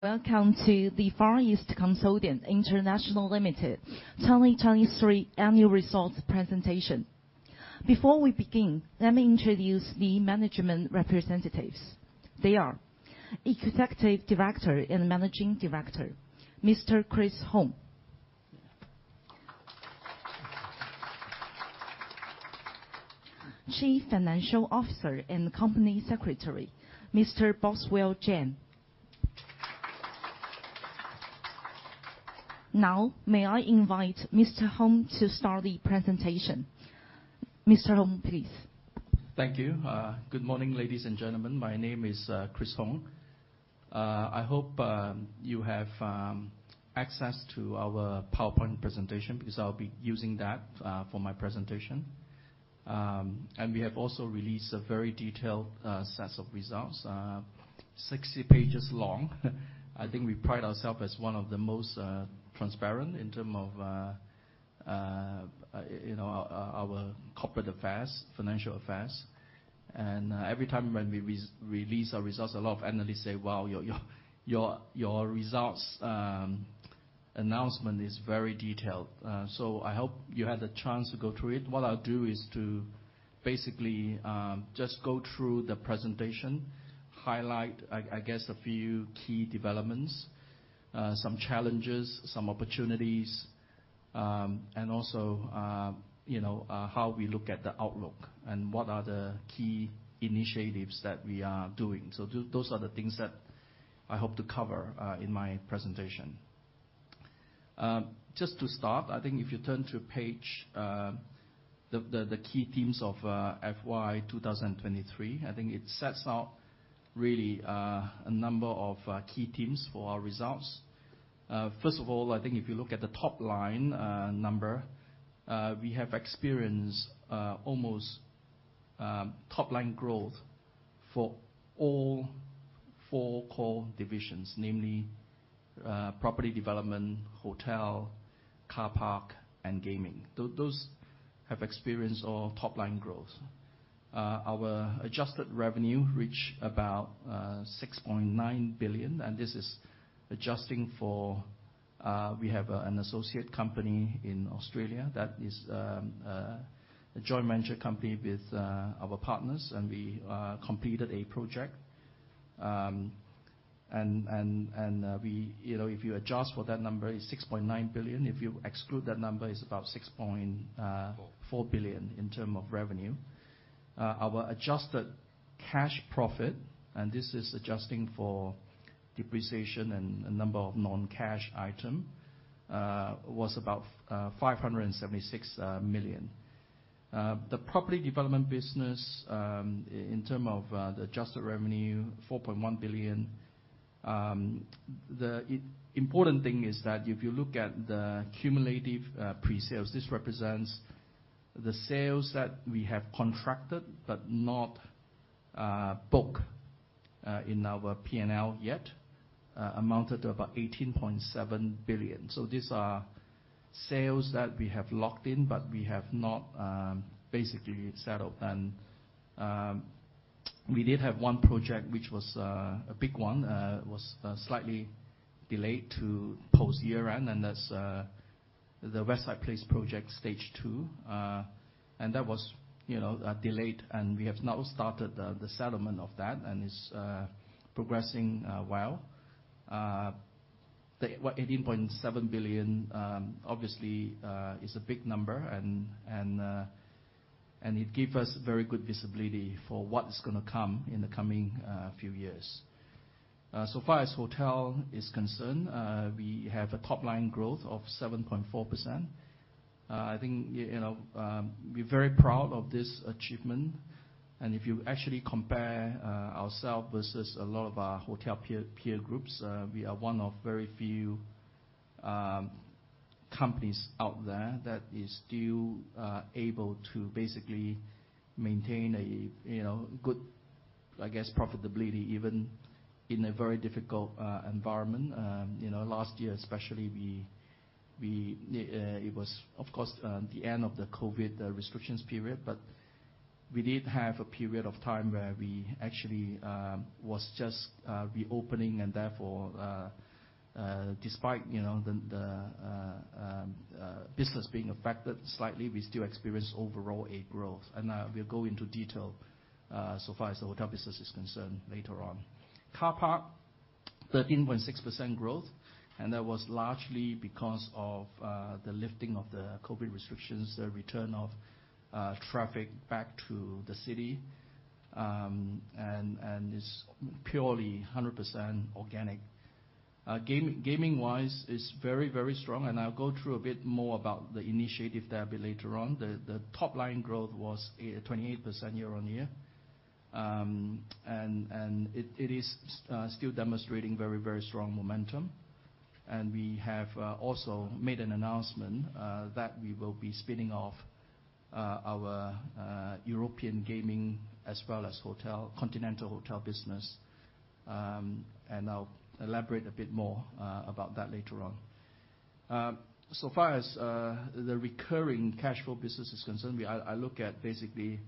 Welcome to the Far East Consortium International Limited 2023 Annual Results Presentation. Before we begin, let me introduce the management representatives. They are Executive Director and Managing Director, Mr. Chris Hoong. Chief Financial Officer and Company Secretary, Mr. Boswell Cheng. May I invite Mr. Hoong to start the presentation. Mr. Hoong, please. Thank you. Good morning, ladies and gentlemen. My name is Chris Hoong. I hope you have access to our PowerPoint presentation, because I'll be using that for my presentation. We have also released a very detailed set of results, 60 pages long. I think we pride ourselves as one of the most transparent in term of, you know, our corporate affairs, financial affairs. Every time when we re-release our results, a lot of analysts say: "Wow, your results announcement is very detailed." I hope you had the chance to go through it. What I'll do is to basically just go through the presentation, highlight, I guess, a few key developments, some challenges, some opportunities, and also, you know, how we look at the outlook and what are the key initiatives that we are doing. Those are the things that I hope to cover in my presentation. Just to start, I think if you turn to page, the key themes of FY 2023, I think it sets out really a number of key themes for our results. First of all, I think if you look at the top line number, we have experienced almost top line growth for all four core divisions, namely, property development, hotel, car park, and gaming. Those have experienced all top line growth. Our adjusted revenue reached about 6.9 billion. This is adjusting for. We have an associate company in Australia that is a joint venture company with our partners. We completed a project. You know, if you adjust for that number, it's 6.9 billion. If you exclude that number, it's about 6.4 billion In term of revenue. Our adjusted cash profit, and this is adjusting for depreciation and a number of non-cash item, was about 576 million. The property development business, in term of the adjusted revenue, 4.1 billion. The important thing is that if you look at the cumulative pre-sales, this represents the sales that we have contracted but not booked in our P&L yet, amounted to about 18.7 billion. So these are sales that we have locked in, but we have not basically settled. We did have one project, which was a big one, was slightly delayed to post-year-end, and that's the West Side Place project Stage 2. That was, you know, delayed, and we have now started the settlement of that, and it's progressing well. The 18.7 billion, obviously, is a big number, and it give us very good visibility for what is gonna come in the coming few years. So far as hotel is concerned, we have a top-line growth of 7.4%. I think, you know, we're very proud of this achievement, and if you actually compare ourselves versus a lot of our hotel peer groups, we are one of very few companies out there that is still able to basically maintain a, you know, good, I guess, profitability, even in a very difficult environment. You know, last year, especially, we it was, of course, the end of the COVID restrictions period, but we did have a period of time where we actually was just reopening. Therefore, despite, you know, the business being affected slightly, we still experienced overall a growth. We'll go into detail so far as the hotel business is concerned later on. Car park, 13.6% growth, and that was largely because of the lifting of the COVID restrictions, the return of traffic back to the city, and it's purely 100% organic. Gaming wise, is very, very strong, and I'll go through a bit more about the initiative there a bit later on. The top-line growth was a 28% year-on-year. It, it is still demonstrating very, very strong momentum. We have also made an announcement that we will be spinning off our European gaming as well as hotel, continental hotel business. I'll elaborate a bit more about that later on. Far as the recurring cash flow business is concerned, we, I look at basically,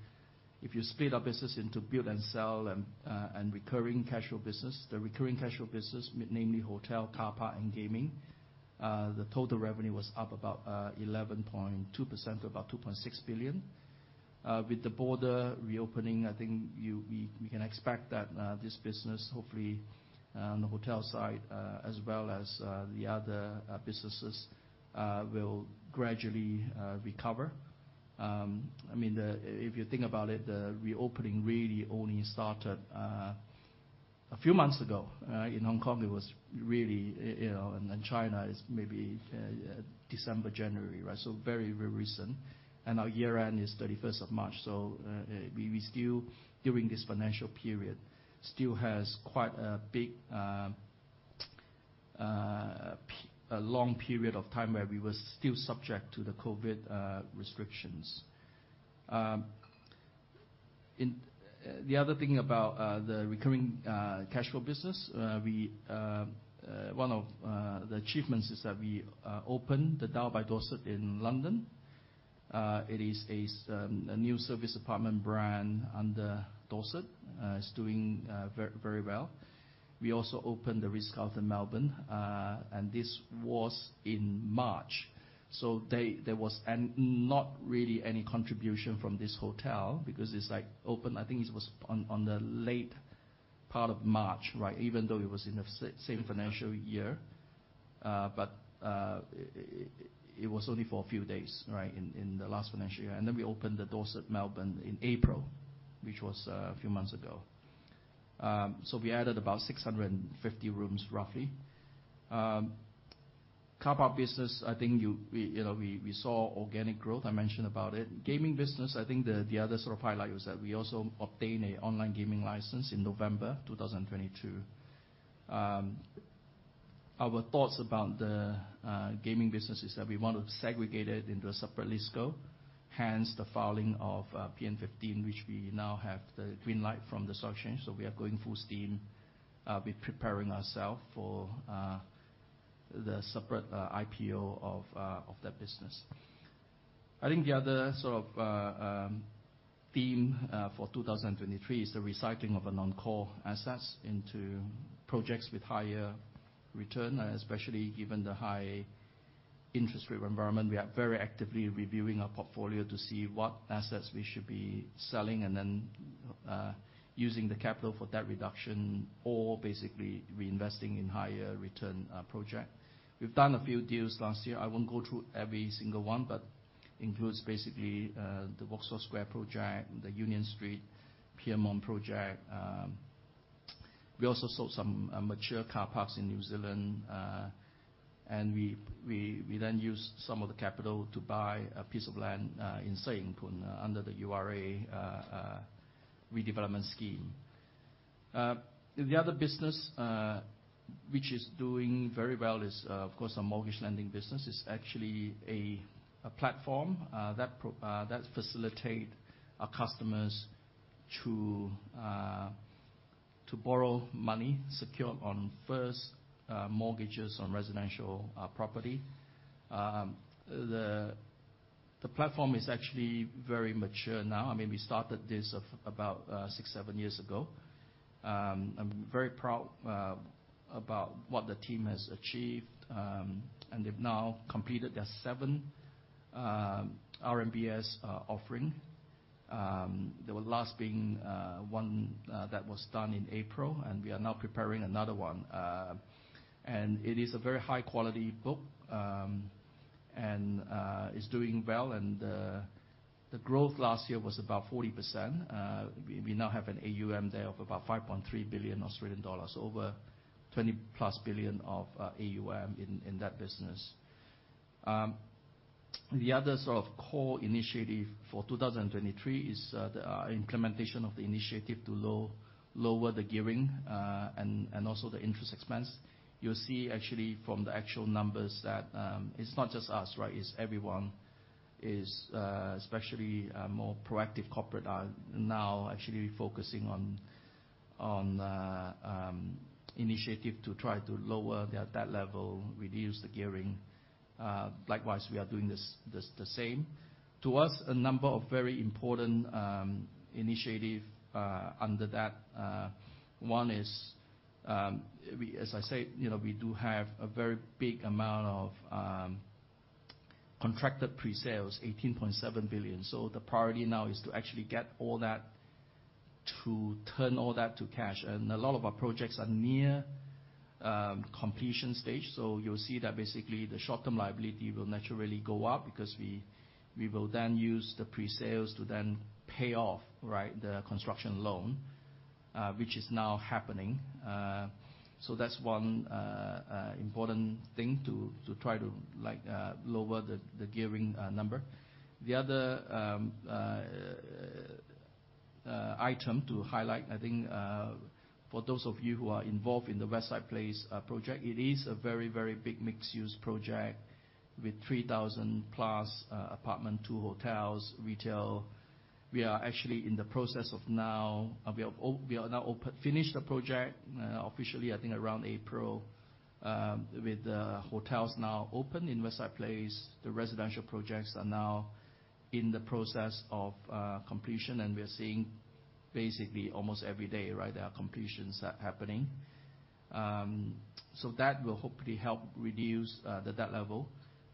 if you split our business into build and sell and recurring cash flow business, the recurring cash flow business, namely hotel, car park, and gaming, the total revenue was up about 11.2%, to about 2.6 billion. With the border reopening, I think we can expect that this business, hopefully, on the hotel side, as well as the other businesses, will gradually recover. I mean, if you think about it, the reopening really only started a few months ago. In Hong Kong, it was really, you know, and then China is maybe December, January, right? So very, very recent. And our year-end is 31st of March, so we still, during this financial period, still has quite a big, a long period of time where we were still subject to the COVID restrictions. The other thing about recurring cash flow business, one of the achievements that we opened the Dao by Dorsett in London. It is a new service apartment brand under Dorsett. It's doing very, very well. We also opened The Ritz-Carlton in Melbourne, and this was in March. There was not really any contribution from this hotel because it's like opened, I think it was on the late part of March, right? Even though it was in the same financial year, but it was only for a few days, right, in the last financial year. Then we opened the Dorsett Melbourne in April, which was a few months ago. We added about 650 rooms, roughly Car park business, I think you, we, you know, we saw organic growth, I mentioned about it. Gaming business, I think the other sort of highlight was that we also obtained a online gaming license in November 2022. Our thoughts about the gaming business is that we want to segregate it into a separate list go, hence the filing of PN Fifteen, which we now have the green light from the stock exchange. We are going full steam. We're preparing ourself for the separate IPO of that business. I think the other sort of theme for 2023 is the recycling of a non-core assets into projects with higher return, especially given the high interest rate environment. We are very actively reviewing our portfolio to see what assets we should be selling, using the capital for debt reduction or basically reinvesting in higher return project. We've done a few deals last year. I won't go through every single one, includes basically the Vauxhall Square project, the Union Street, Piermont project. We also sold some mature car parks in New Zealand, we then used some of the capital to buy a piece of land in Sai Ying Pun, under the URA redevelopment scheme. The other business which is doing very well is of course our mortgage lending business. It's actually a platform that facilitate our customers to borrow money, secure on first mortgages on residential property. The platform is actually very mature now. I mean, we started this of about six, seven years ago. I'm very proud about what the team has achieved, and they've now completed their seven RMBS offering. The last being one that was done in April, and we are now preparing another one. It is a very high-quality book, and it's doing well, and the growth last year was about 40%. We now have an AUM there of about 5.3 billion Australian dollars, over 20+ billion of AUM in that business. The other sort of core initiative for 2023 is the implementation of the initiative to lower the gearing, and also the interest expense. You'll see actually from the actual numbers that, it's not just us, right? It's everyone is, especially, more proactive corporate are now actually focusing on initiative to try to lower their debt level, reduce the gearing. Likewise, we are doing this the same. To us, a number of very important initiative under that, one is, as I say, you know, we do have a very big amount of contracted presales, 18.7 billion. The priority now is to actually get all that, to turn all that to cash. A lot of our projects are near completion stage, you'll see that basically the short-term liability will naturally go up because we will then use the presales to then pay off, right, the construction loan, which is now happening. That's one important thing to try to lower the gearing number. The other item to highlight, I think, for those of you who are involved in the Westside Place project, it is a very, very big mixed-use project with 3,000+ apartment, two hotels, retail. We are actually in the process of now, we are now finished the project officially, I think, around April, with the hotels now open in West Side Place. The residential projects are now in the process of completion, we are seeing basically almost every day, right, there are completions are happening. That will hopefully help reduce the debt level.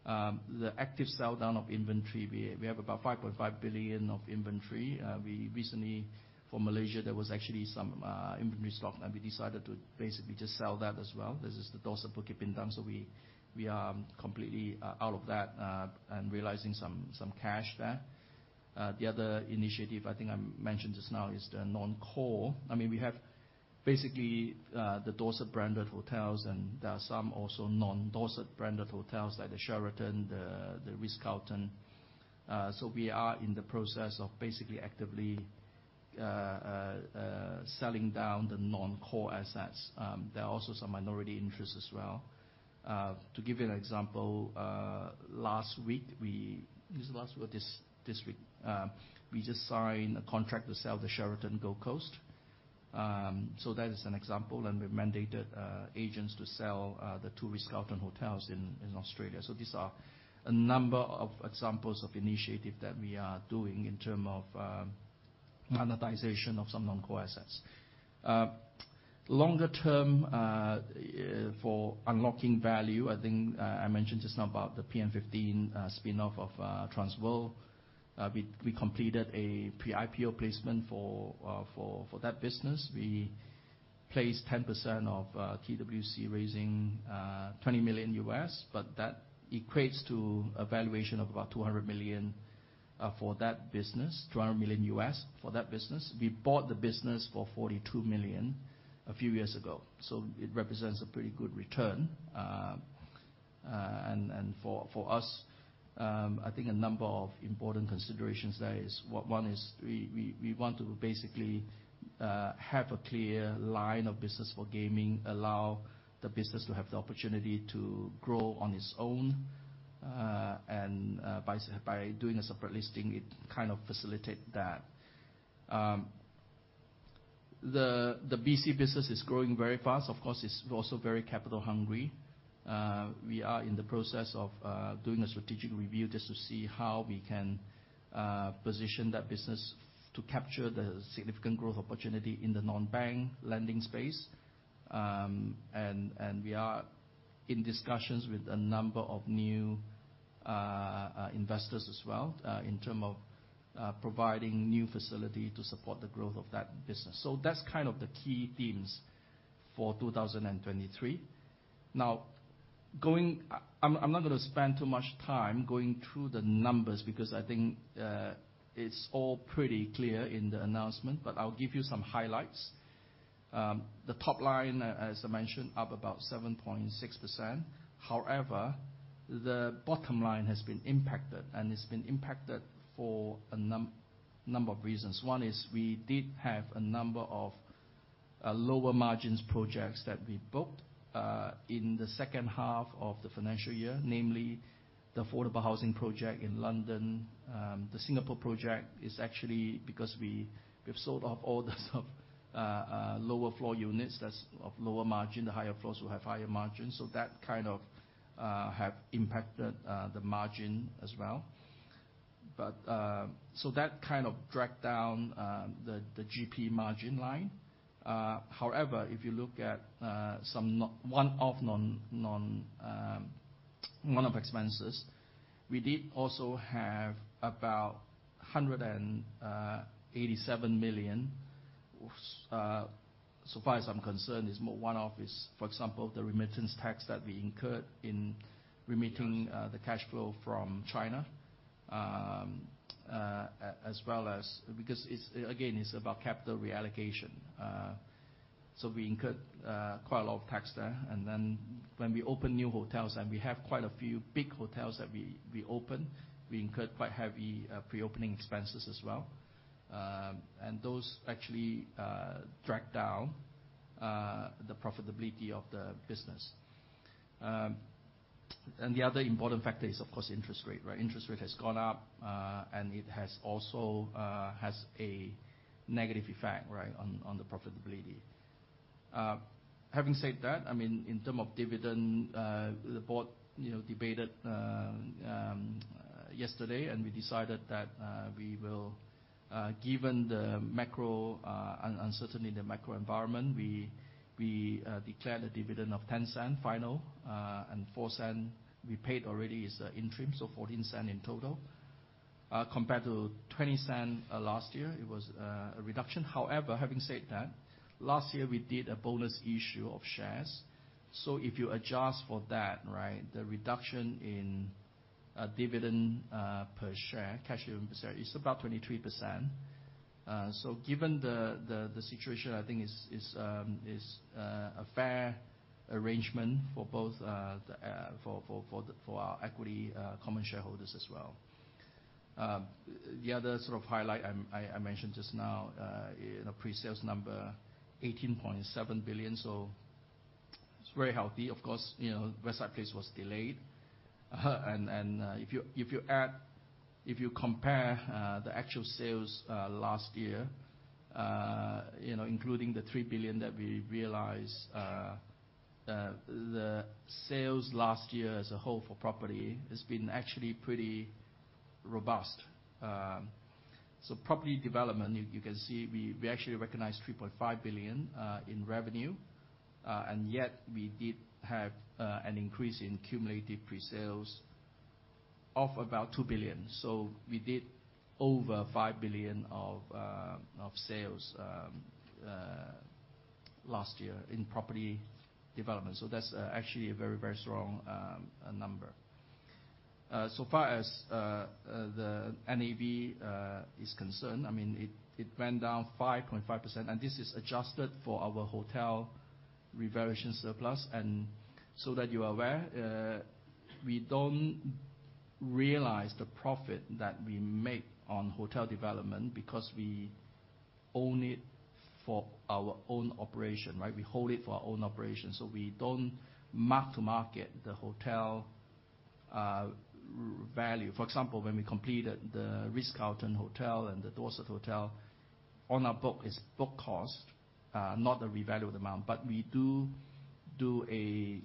The active sell-down of inventory, we have about 5.5 billion of inventory. We recently, for Malaysia, there was actually some inventory stock, and we decided to basically just sell that as well. This is the Dorsett Bukit Bintang, so we are completely out of that and realizing some cash there. The other initiative, I think I mentioned just now, is the non-core. I mean, we have basically the Dorsett-branded hotels, and there are some also non-Dorsett-branded hotels, like the Sheraton, the Ritz-Carlton. We are in the process of basically actively selling down the non-core assets. There are also some minority interests as well. To give you an example, last week, we... Is it last week or this week? We just signed a contract to sell the Sheraton Gold Coast. That is an example, and we've mandated agents to sell the two Ritz-Carlton hotels in Australia. These are a number of examples of initiative that we are doing in term of monetization of some non-core assets. Longer term, for unlocking value, I think I mentioned just now about the PN15 spin-off of Trans World Corporation. We completed a pre-IPO placement for that business. We placed 10% of TWC, raising $20 million, but that equates to a valuation of about $200 million for that business, $200 million for that business. We bought the business for $42 million a few years ago, so it represents a pretty good return. For us, I think a number of important considerations there is, one, is we want to basically have a clear line of business for gaming, allow the business to have the opportunity to grow on its own, and, by doing a separate listing, it kind of facilitate that. The BC business is growing very fast. Of course, it's also very capital hungry. We are in the process of doing a strategic review just to see how we can position that business to capture the significant growth opportunity in the non-bank lending space. We are in discussions with a number of new investors as well, in terms of providing new facility to support the growth of that business. That's kind of the key themes for 2023. I'm not going to spend too much time going through the numbers, because I think it's all pretty clear in the announcement, but I'll give you some highlights. The top line, as I mentioned, up about 7.6%. The bottom line has been impacted, and it's been impacted for a number of reasons. One is we did have a number of lower margins projects that we booked in the second half of the financial year, namely the affordable housing project in London. The Singapore project is actually because we've sold off all the sort of lower-floor units. That's of lower margin. The higher floors will have higher margins, that kind of have impacted the margin as well. So that kind of dragged down the GP margin line. However, if you look at some one-off expenses, we did also have about 187 million. So far as I'm concerned, it's more one-off is, for example, the remittance tax that we incurred in remitting the cash flow from China. As well as. Because it's, again, it's about capital reallocation. So we incurred quite a lot of tax there, and then when we open new hotels, and we have quite a few big hotels that we opened, we incurred quite heavy pre-opening expenses as well. Those actually dragged down the profitability of the business. The other important factor is, of course, interest rate, right? Interest rate has gone up. It has also has a negative effect, right, on the profitability. Having said that, I mean, in term of dividend, the board, you know, debated yesterday. We decided that we will, given the macro uncertainty in the macro environment, we declared a dividend of 0.10 final, and 0.04 we paid already is the interim, so 0.14 in total. Compared to 0.20 last year, it was a reduction. Having said that, last year we did a bonus issue of shares. If you adjust for that, right, the reduction in dividend per share, cash dividend per share, is about 23%. Given the situation, I think is a fair arrangement for both for our equity common shareholders as well. The other sort of highlight I mentioned just now in the pre-sales number, 18.7 billion. It's very healthy. Of course, you know, West Side Place was delayed. If you compare the actual sales last year, you know, including the 3 billion that we realized, the sales last year as a whole for property has been actually pretty robust. Property development, you can see we actually recognized 3.5 billion in revenue. We did have an increase in cumulative pre-sales of about 2 billion. We did over 5 billion of sales last year in property development. That's actually a very, very strong number. So far as the NAV is concerned, I mean, it went down 5.5%, and this is adjusted for our hotel revaluation surplus. So that you are aware, we don't realize the profit that we make on hotel development because we own it for our own operation, right? We hold it for our own operation, so we don't mark-to-market the hotel value. For example, when we completed the Ritz-Carlton Hotel and the Dorsett Hotel, on our book, it's book cost, not the revalued amount. We do a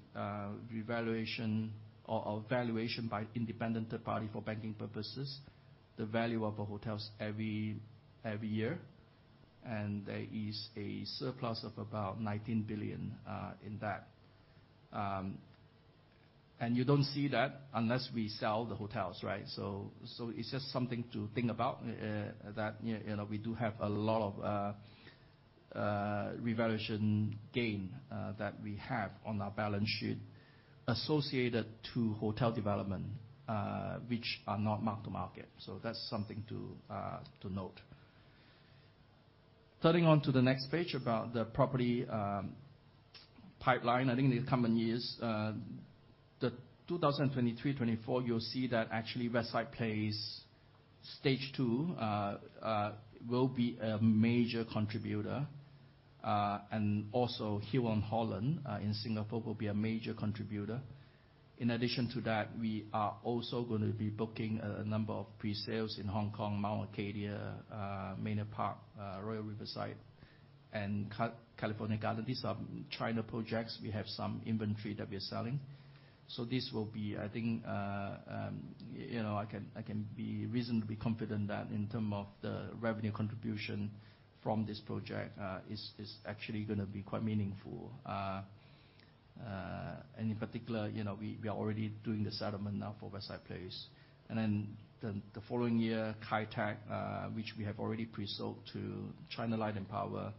revaluation or valuation by independent third party for banking purposes, the value of the hotels every year, and there is a surplus of about 19 billion in that. You don't see that unless we sell the hotels, right? It's just something to think about that, you know, we do have a lot of revaluation gain that we have on our balance sheet associated to hotel development, which are not mark-to-market. That's something to note. Turning on to the next page about the property pipeline. I think in the coming years, the 2023, 2024, you'll see that actually West Side Place Stage 2 will be a major contributor, and also Hyll on Holland in Singapore will be a major contributor. In addition to that, we are also going to be booking a number of pre-sales in Hong Kong, Mount Arcadia, Manor Park, Royal Riverside, and California Garden. These are China projects. We have some inventory that we are selling. This will be, I think, you know, I can be reasonably confident that in term of the revenue contribution from this project, is actually gonna be quite meaningful. In particular, you know, we are already doing the settlement now for West Side Place. The following year, Kai Tak, which we have already pre-sold to China Light & Power,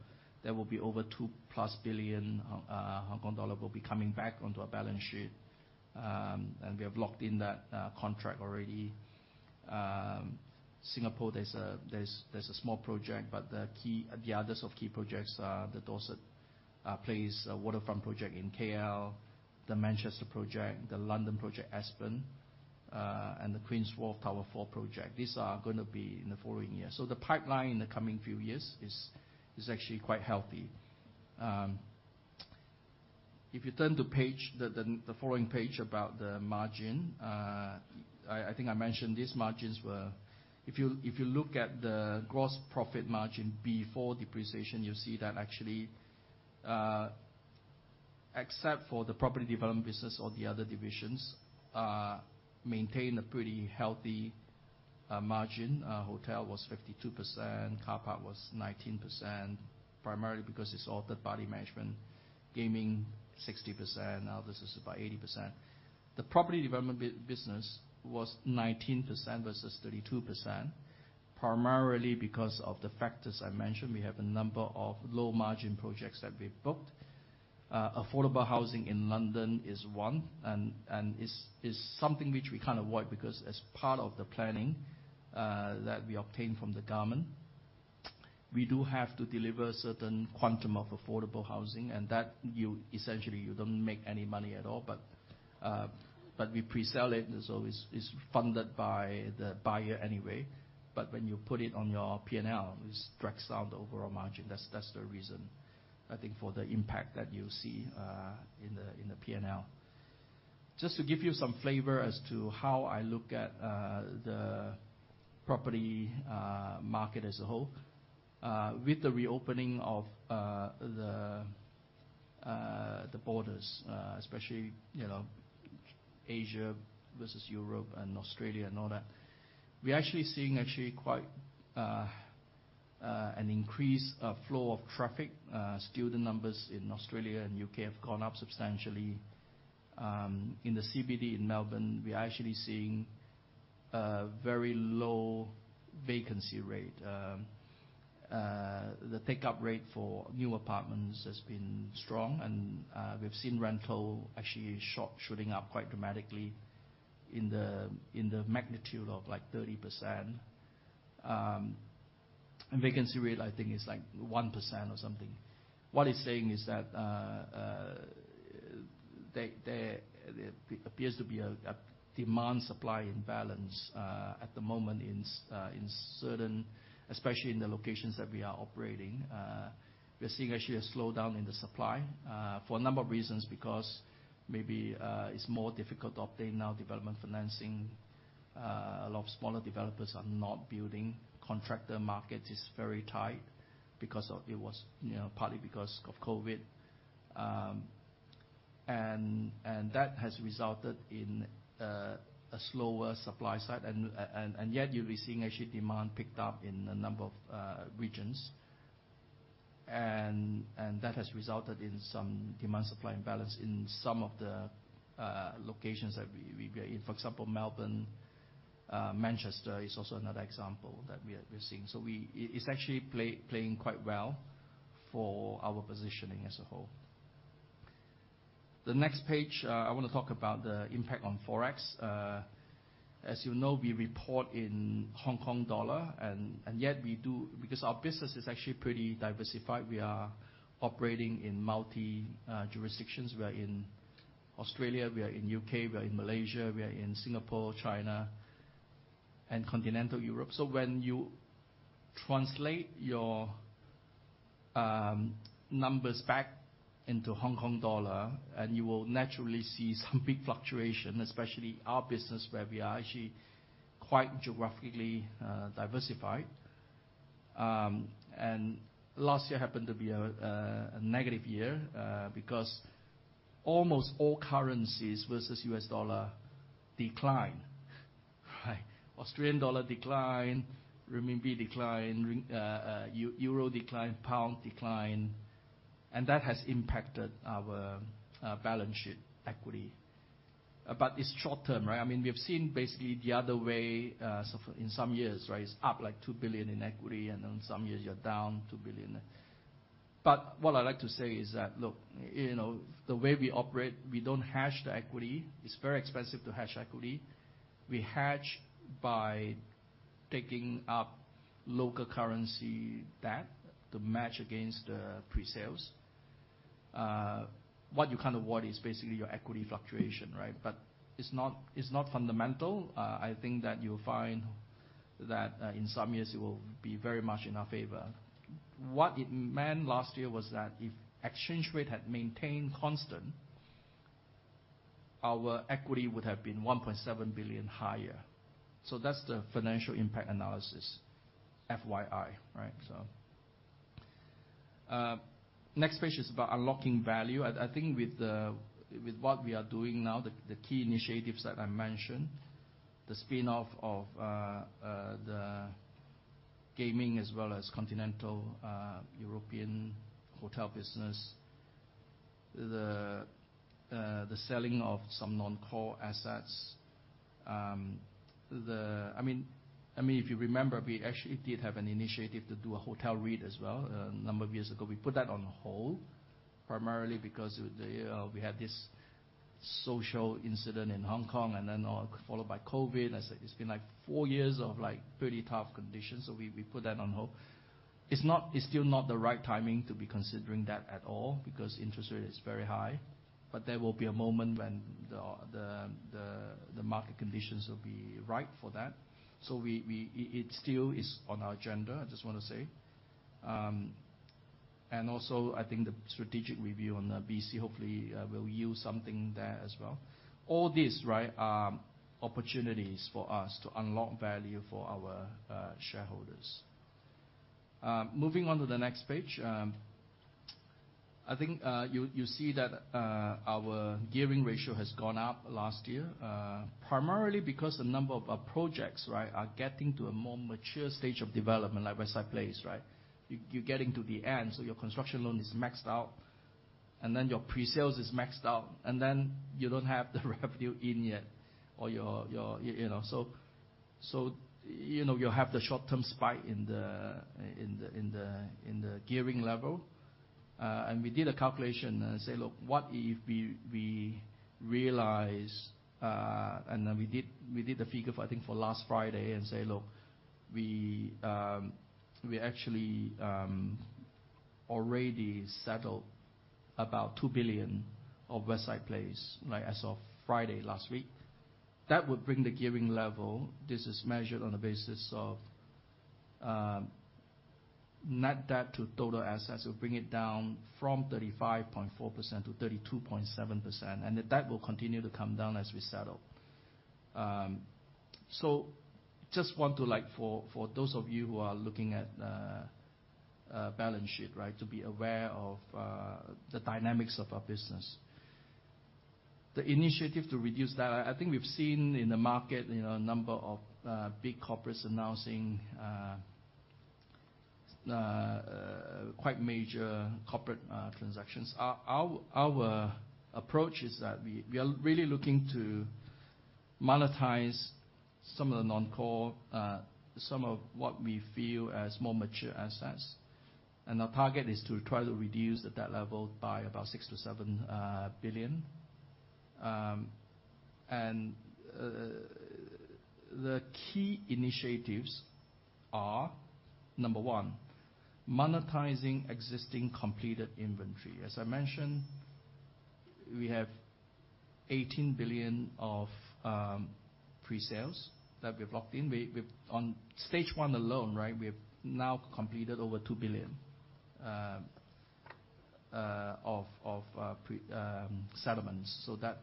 there will be over 2+ billion Hong Kong dollar coming back onto our balance sheet. We have locked in that contract already. Singapore, there's a small project, but the others of key projects are the Dorsett Place, a waterfront project in KL, the Manchester project, the London project, Aspen, and the Queen's Wharf Tower Four project. These are gonna be in the following year. The pipeline in the coming few years is actually quite healthy. If you turn to page, the following page about the margin, I think I mentioned these margins were... If you look at the gross profit margin before depreciation, you'll see that actually, except for the property development business or the other divisions, maintain a pretty healthy margin. Hotel was 52%, car park was 19%, primarily because it's all third-party management. Gaming, 60%. This is about 80%. The property development business was 19% versus 32%, primarily because of the factors I mentioned. We have a number of low-margin projects that we've booked. Affordable housing in London is one, and is something which we can't avoid because as part of the planning that we obtain from the government, we do have to deliver a certain quantum of affordable housing, and that essentially, you don't make any money at all. We pre-sell it, and so it's funded by the buyer anyway. When you put it on your P&L, it strikes down the overall margin. That's the reason, I think, for the impact that you see in the P&L. Just to give you some flavor as to how I look at the property market as a whole. With the reopening of the borders, especially, you know, Asia versus Europe and Australia and all that, we're actually seeing quite an increased flow of traffic. Student numbers in Australia and the U.K. have gone up substantially. In the CBD in Melbourne, we are actually seeing a very low vacancy rate. The take-up rate for new apartments has been strong, and we've seen rental actually shooting up quite dramatically in the magnitude of, like, 30% and vacancy rate, I think, is, like, 1% or something. What it's saying is that there appears to be a demand-supply imbalance at the moment in certain, especially in the locations that we are operating. We're seeing actually a slowdown in the supply for a number of reasons, because maybe it's more difficult to obtain now development financing. A lot of smaller developers are not building. Contractor market is very tight because of, you know, partly because of COVID. That has resulted in a slower supply side, and yet you'll be seeing actually demand picked up in a number of regions. That has resulted in some demand-supply imbalance in some of the locations that we are in. For example, Melbourne, Manchester is also another example that we're seeing. It's actually playing quite well for our positioning as a whole. The next page, I want to talk about the impact on Forex. As you know, we report in Hong Kong dollar, and yet we do-- because our business is actually pretty diversified, we are operating in multi jurisdictions. We are in Australia, we are in U.K., we are in Malaysia, we are in Singapore, China, and Continental Europe. When you translate your numbers back into Hong Kong dollar, and you will naturally see some big fluctuation, especially our business, where we are actually quite geographically diversified. Last year happened to be a negative year because almost all currencies versus U.S. dollar declined, right? Australian dollar declined, renminbi declined, euro declined, pound declined, and that has impacted our balance sheet equity. It's short term, right? I mean, we have seen basically the other way, so in some years, right, it's up, like, 2 billion in equity, and then some years you're down 2 billion. What I'd like to say is that, look, you know, the way we operate, we don't hedge the equity. It's very expensive to hedge equity. We hedge by taking up local currency debt to match against the pre-sales. What you kind of want is basically your equity fluctuation, right? It's not, it's not fundamental. I think that you'll find that, in some years it will be very much in our favor. What it meant last year was that if exchange rate had maintained constant, our equity would have been 1.7 billion higher. That's the financial impact analysis, FYI, right? Next page is about unlocking value. I think with what we are doing now, the key initiatives that I mentioned, the spin-off of the gaming, as well as continental European hotel business, the selling of some non-core assets. I mean, if you remember, we actually did have an initiative to do a hotel REIT as well a number of years ago. We put that on hold, primarily because we had this social incident in Hong Kong and then followed by COVID. It's been, like, four years of, like, pretty tough conditions, so we put that on hold. It's still not the right timing to be considering that at all, because interest rate is very high. There will be a moment when the market conditions will be right for that. It still is on our agenda, I just want to say. Also, I think the strategic review on the BC hopefully will yield something there as well. All these, right, are opportunities for us to unlock value for our shareholders. Moving on to the next page. I think you see that our gearing ratio has gone up last year, primarily because a number of our projects, right, are getting to a more mature stage of development, like West Side Place, right? You're getting to the end, so your construction loan is maxed out, and then your pre-sales is maxed out, and then you don't have the revenue in yet, or You know. You know, you'll have the short-term spike in the gearing level. We did a calculation and say, "Look, what if we realize'', and then we did the figure for, I think for last Friday and say, "Look, we actually already settled about 2 billion of West Side Place, like, as of Friday last week." That would bring the gearing level, this is measured on the basis of net debt to total assets. It would bring it down from 35.4%-32.7%, and the debt will continue to come down as we settle. Just want to, like, for those of you who are looking at a balance sheet, right, to be aware of the dynamics of our business. The initiative to reduce debt, I think we've seen in the market, you know, a number of big corporates announcing quite major corporate transactions. Our approach is that we are really looking to monetize some of the non-core, some of what we view as more mature assets. Our target is to try to reduce the debt level by about 6 billion-7 billion. The key initiatives are, number 1, monetizing existing completed inventory. As I mentioned, we have 18 billion of presales that we've locked in. On stage one alone, right, we've now completed over 2 billion of pre settlements, so that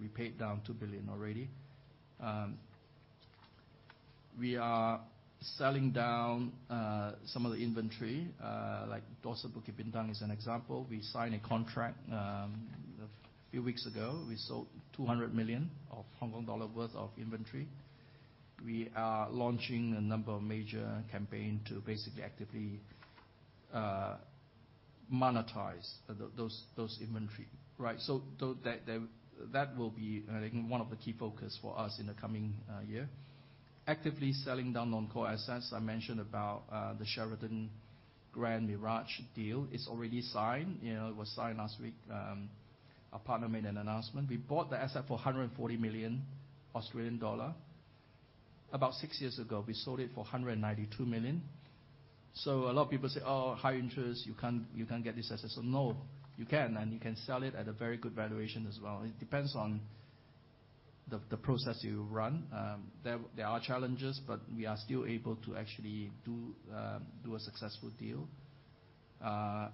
we paid down 2 billion already. We are selling down some of the inventory, like Dorsett Bukit Bintang is an example. We signed a contract, a few weeks ago. We sold 200 million worth of inventory. We are launching a number of major campaign to basically actively monetize those inventory, right? That will be, I think, one of the key focus for us in the coming year. Actively selling down non-core assets. I mentioned about the Sheraton Grand Mirage deal. It's already signed, you know, it was signed last week. Our partner made an announcement. We bought the asset for 140 million Australian dollar. About six years ago, we sold it for 192 million. A lot of people say, "Oh, high interest, you can't, you can't get this asset." No, you can, and you can sell it at a very good valuation as well. It depends on the process you run. There are challenges, but we are still able to actually do a successful deal. We are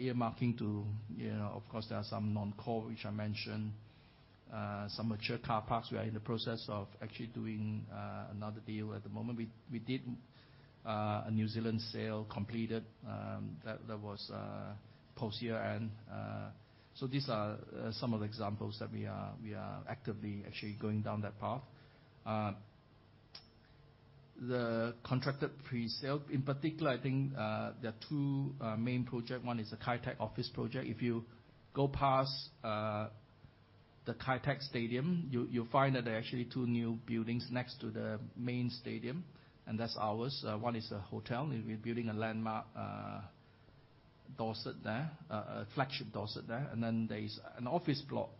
earmarking to, you know, of course, there are some non-core, which I mentioned, some mature car parks. We are in the process of actually doing another deal at the moment. We did a New Zealand sale completed, that was post-year-end. These are some of the examples that we are actively actually going down that path. The contracted presale, in particular, I think, there are two main project. One is a Kai Tak office project. If you go past the Kai Tak Stadium, you'll find that there are actually two new buildings next to the main stadium, and that's ours. One is a hotel, and we're building a landmark Dorsett there, a flagship Dorsett there, and then there is an office block,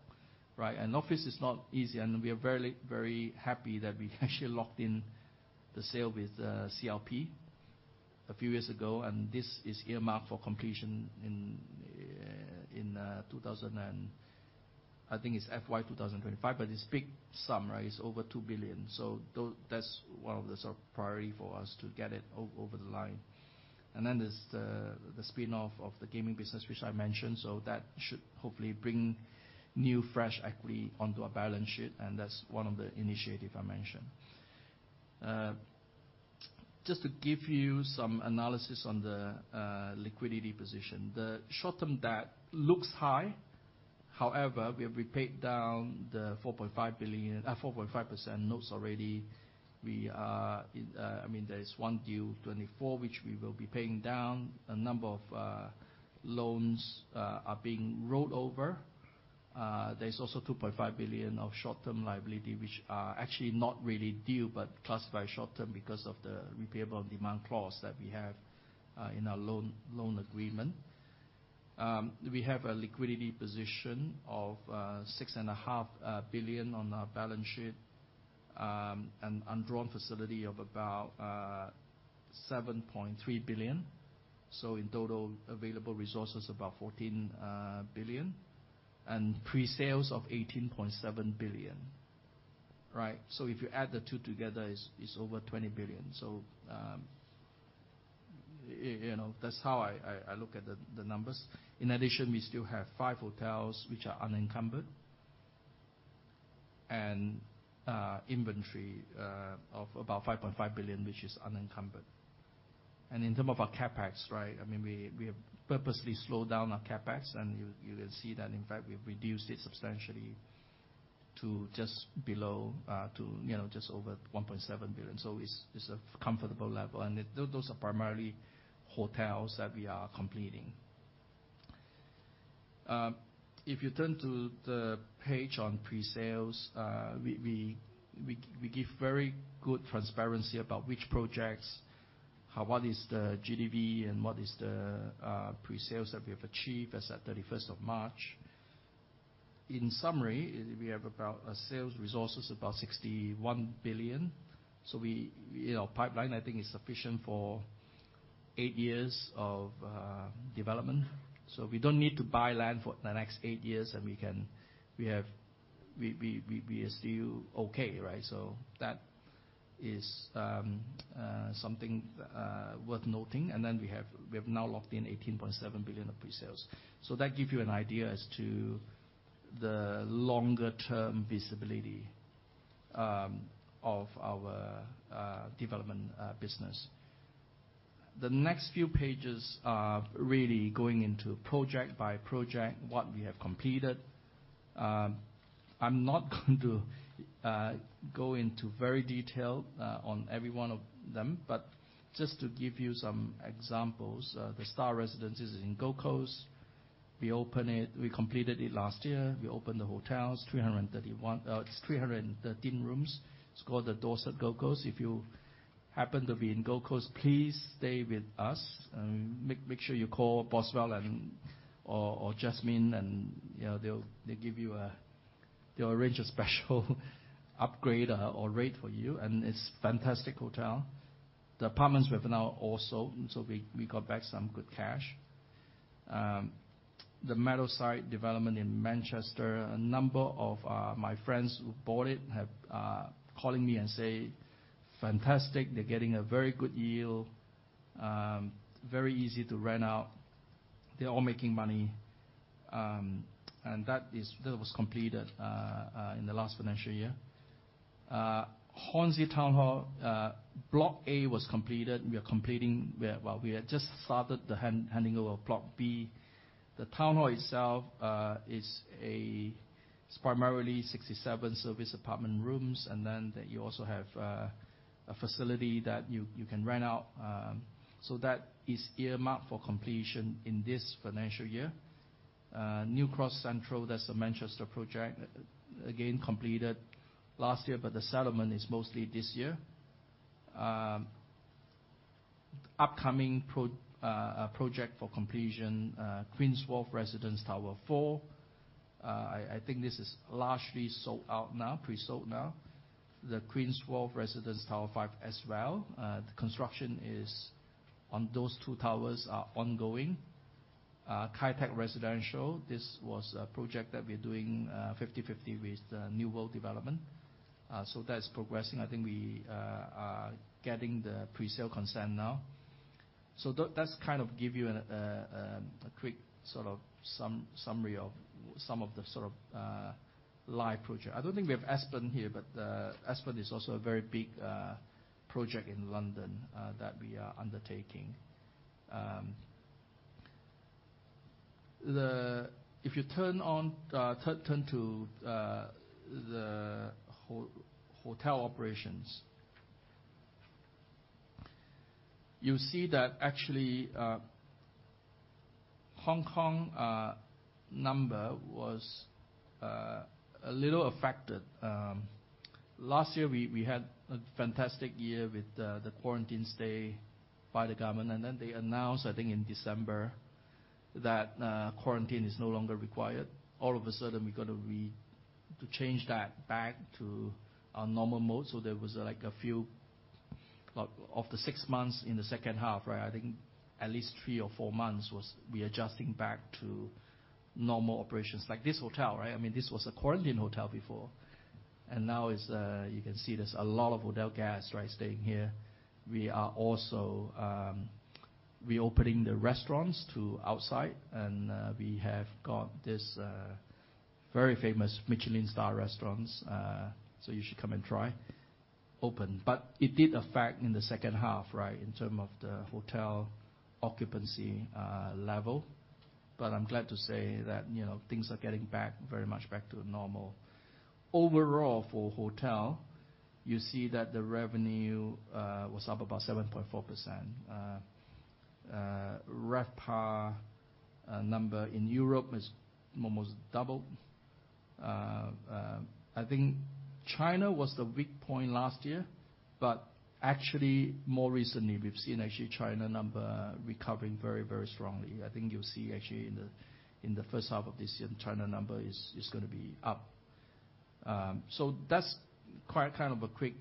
right? Office is not easy, and we are very, very happy that we actually locked in the sale with CLP a few years ago, and this is earmarked for completion in FY 2025, but it's big sum, right? It's over 2 billion. That's one of the sort of priority for us to get it over the line. Then there's the spin-off of the gaming business, which I mentioned, so that should hopefully bring new, fresh equity onto our balance sheet, and that's one of the initiative I mentioned. Just to give you some analysis on the liquidity position. The short-term debt looks high, however, we have repaid down the 4.5 billion, 4.5% notes already. We are, I mean, there is one due 2024, which we will be paying down. A number of loans are being rolled over. There's also 2.5 billion of short-term liability, which are actually not really due, but classified short-term because of the repayable on demand clause that we have in our loan agreement. We have a liquidity position of 6.5 billion on our balance sheet, and undrawn facility of about 7.3 billion. In total, available resources, about 14 billion, and presales of 18.7 billion, right? If you add the two together, it's over 20 billion. You know, that's how I look at the numbers. In addition, we still have 5 hotels which are unencumbered, and inventory of about 5.5 billion, which is unencumbered. In term of our CapEx, right, I mean, we have purposely slowed down our CapEx, and you can see that, in fact, we've reduced it substantially to just below, to just over 1.7 billion. It's a comfortable level, and those are primarily hotels that we are completing. If you turn to the page on presales, we give very good transparency about which projects, what is the GDV and what is the presales that we have achieved as at 31st of March. In summary, we have about a sales resources, about 61 billion. We, you know, pipeline, I think, is sufficient for eight years of development. We don't need to buy land for the next eight years, and we are still okay, right? That is something worth noting. We have now locked in 18.7 billion of presales. That give you an idea as to the longer-term visibility of our development business. The next few pages are really going into project by project, what we have completed. I'm not going to go into very detail on every one of them, but just to give you some examples, the Star Residences in Gold Coast, we opened it, we completed it last year. We opened the hotels, its 313 rooms. It's called the Dorsett Gold Coast. If you happen to be in Gold Coast, please stay with us, and make sure you call Boswell and or Jasmine, you know, they'll arrange a special upgrade or rate for you, it's fantastic hotel. The apartments we have now all sold, we got back some good cash. The Meadowside development in Manchester, a number of my friends who bought it have calling me and say, "Fantastic!" They're getting a very good yield, very easy to rent out. They're all making money. That was completed in the last financial year. Hornsey Town Hall, Block A was completed. Well, we had just started the handing over Block B. The Town hall itself is primarily 67 service apartment rooms, and then you also have a facility that you can rent out. That is earmarked for completion in this financial year. Upcoming project for completion, Queens Wharf Residence, Tower Four. I think this is largely sold out now, pre-sold now. The Queens Wharf Residence, Tower Five, as well. The construction on those two towers are ongoing. Kai Tak Residential, this was a project that we're doing 50/50 with the New World Development. That's progressing. I think we are getting the pre-sale consent now. That's kind of give you a quick sort of summary of some of the sort of live project. I don't think we have Aspen here, but Aspen is also a very big project in London that we are undertaking. If you turn on turn to the hotel operations, you see that actually Hong Kong number was a little affected. Last year, we had a fantastic year with the quarantine stay by the government, then they announced, I think in December, that quarantine is no longer required. All of a sudden, we've got to change that back to our normal mode, there was, like, a few. Of the six months in the H2, right, I think at least three or four months was readjusting back to normal operations. Like this hotel, right? I mean, this was a quarantine hotel before, and now it's, you can see there's a lot of hotel guests, right, staying here. We are also reopening the restaurants to outside, and we have got this very famous Michelin Star restaurants, so you should come and try, open. It did affect in the H2, right, in term of the hotel occupancy level. I'm glad to say that, you know, things are getting back, very much back to normal. Overall, for hotel, you see that the revenue was up about 7.4%. RevPAR number in Europe is almost double. I think China was the weak point last year. Actually, more recently, we've seen actually China number recovering very, very strongly. I think you'll see actually in the first half of this year, China number is gonna be up. That's kind of a quick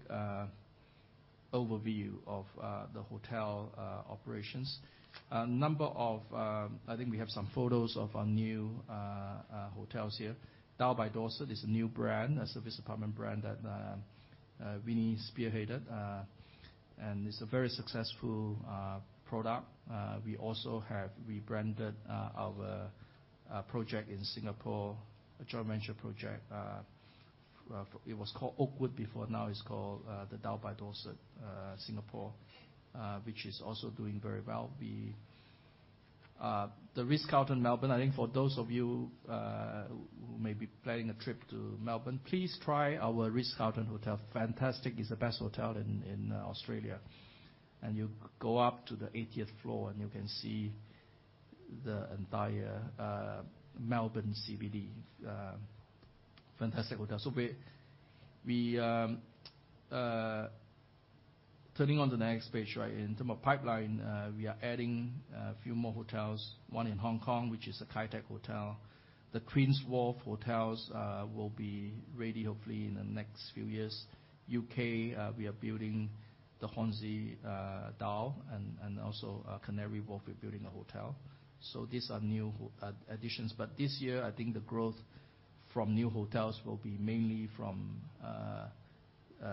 overview of the hotel operations. A number of, I think we have some photos of our new hotels here. Dao by Dorsett is a new brand, a service apartment brand that Winnie spearheaded, and it's a very successful product. We also have rebranded our project in Singapore, a joint venture project. It was called Oakwood before, now it's called the Dao by Dorsett Singapore, which is also doing very well. The Ritz-Carlton, Melbourne, I think for those of you who may be planning a trip to Melbourne, please try our Ritz-Carlton Hotel. Fantastic. It's the best hotel in Australia. You go up to the 80th floor, and you can see the entire Melbourne CBD. Fantastic hotel. Turning on to the next page, right, in term of pipeline, we are adding a few more hotels. One in Hong Kong, which is the Kai Tak Hotel. The Queens Wharf Hotels will be ready hopefully in the next few years. UK, we are building the Hornsey, Dal, and also Canary Wharf, we're building a hotel. These are new additions, but this year, I think the growth from new hotels will be mainly from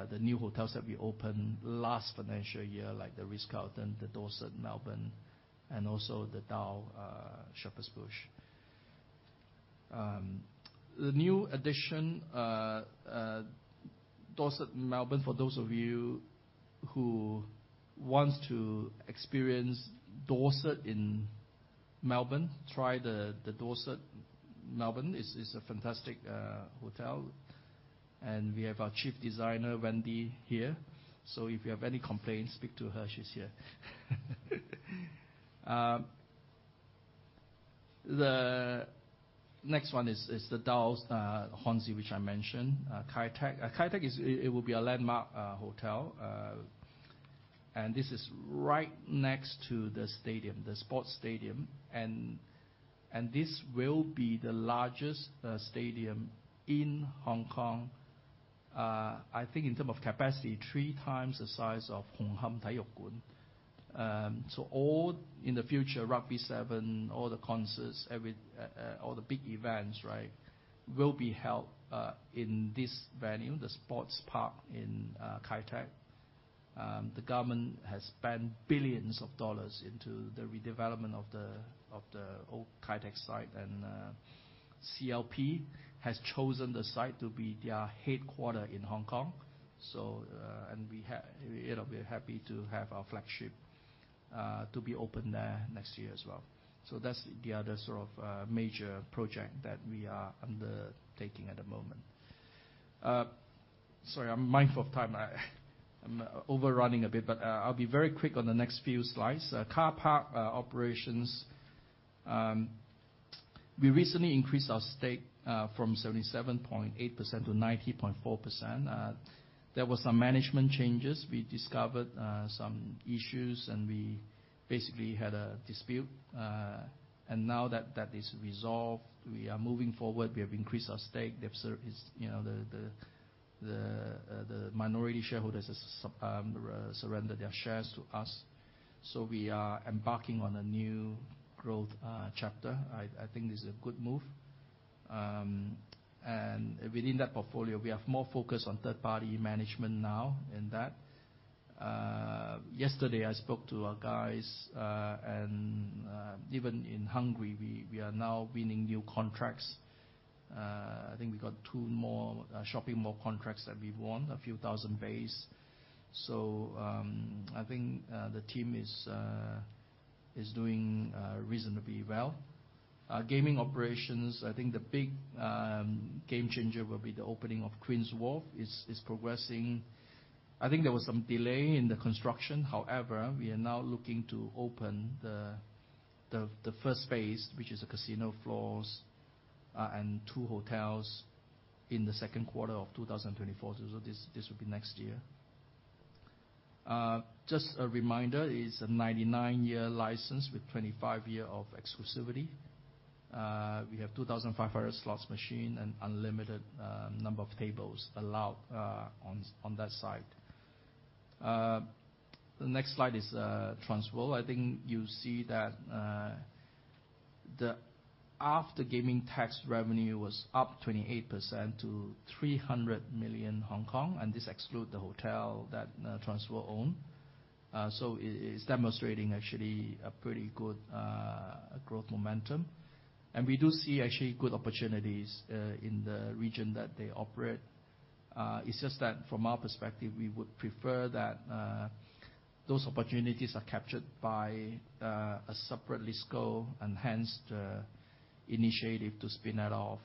the new hotels that we opened last financial year, like the Ritz-Carlton, the Dorsett Melbourne, and also the Dao Shepherd's Bush. The new addition, Dorsett Melbourne, for those of you who wants to experience Dorsett in Melbourne, try the Dorsett Melbourne. It's a fantastic hotel, and we have our chief designer, Wendy, here, so if you have any complaints, speak to her. She's here. The next one is the Dao, Hornsey, which I mentioned, Kai Tak. Kai Tak is, it will be a landmark hotel, and this is right next to the stadium, the sports stadium. This will be the largest stadium in Hong Kong. I think in terms of capacity, 3x the size of Hong Kong Stadium. All, in the future, Rugby Sevens, all the concerts, every, all the big events, right, will be held in this venue, the sports park in Kai Tak. The government has spent billions of HKD into the redevelopment of the old Kai Tak site, and CLP has chosen the site to be their headquarters in Hong Kong and it'll be happy to have our flagship to be opened there next year as well. That's the other sort of major project that we are undertaking at the moment. Sorry, I'm mindful of time. I'm overrunning a bit, but I'll be very quick on the next few slides. Car park operations. We recently increased our stake from 77.8% to 90.4%. There were some management changes. We discovered some issues, and we basically had a dispute. Now that that is resolved, we are moving forward. We have increased our stake. The minority shareholders surrendered their shares to us, so we are embarking on a new growth chapter. I think this is a good move. Within that portfolio, we have more focus on third-party management now in that. Yesterday, I spoke to our guys, even in Hungary, we are now winning new contracts. I think we got two more shopping mall contracts that we've won, a few thousand base. I think the team is doing reasonably well. Our gaming operations, I think the big game changer will be the opening of Queens Wharf. It's progressing. I think there was some delay in the construction, however, we are now looking to open the first phase, which is the casino floors, and two hotels in the Q2 of 2024. This will be next year. Just a reminder, it's a 99-year license with 25-year of exclusivity. We have 2,500 slots machine and unlimited number of tables allowed on that site. The next slide is Transworld. I think you see that after gaming tax revenue was up 28% to 300 million Hong Kong, this exclude the hotel that Transworld own. It is demonstrating actually a pretty good growth momentum. We do see actually good opportunities in the region that they operate. It's just that from our perspective, we would prefer that those opportunities are captured by a separate list go, hence the initiative to spin that off.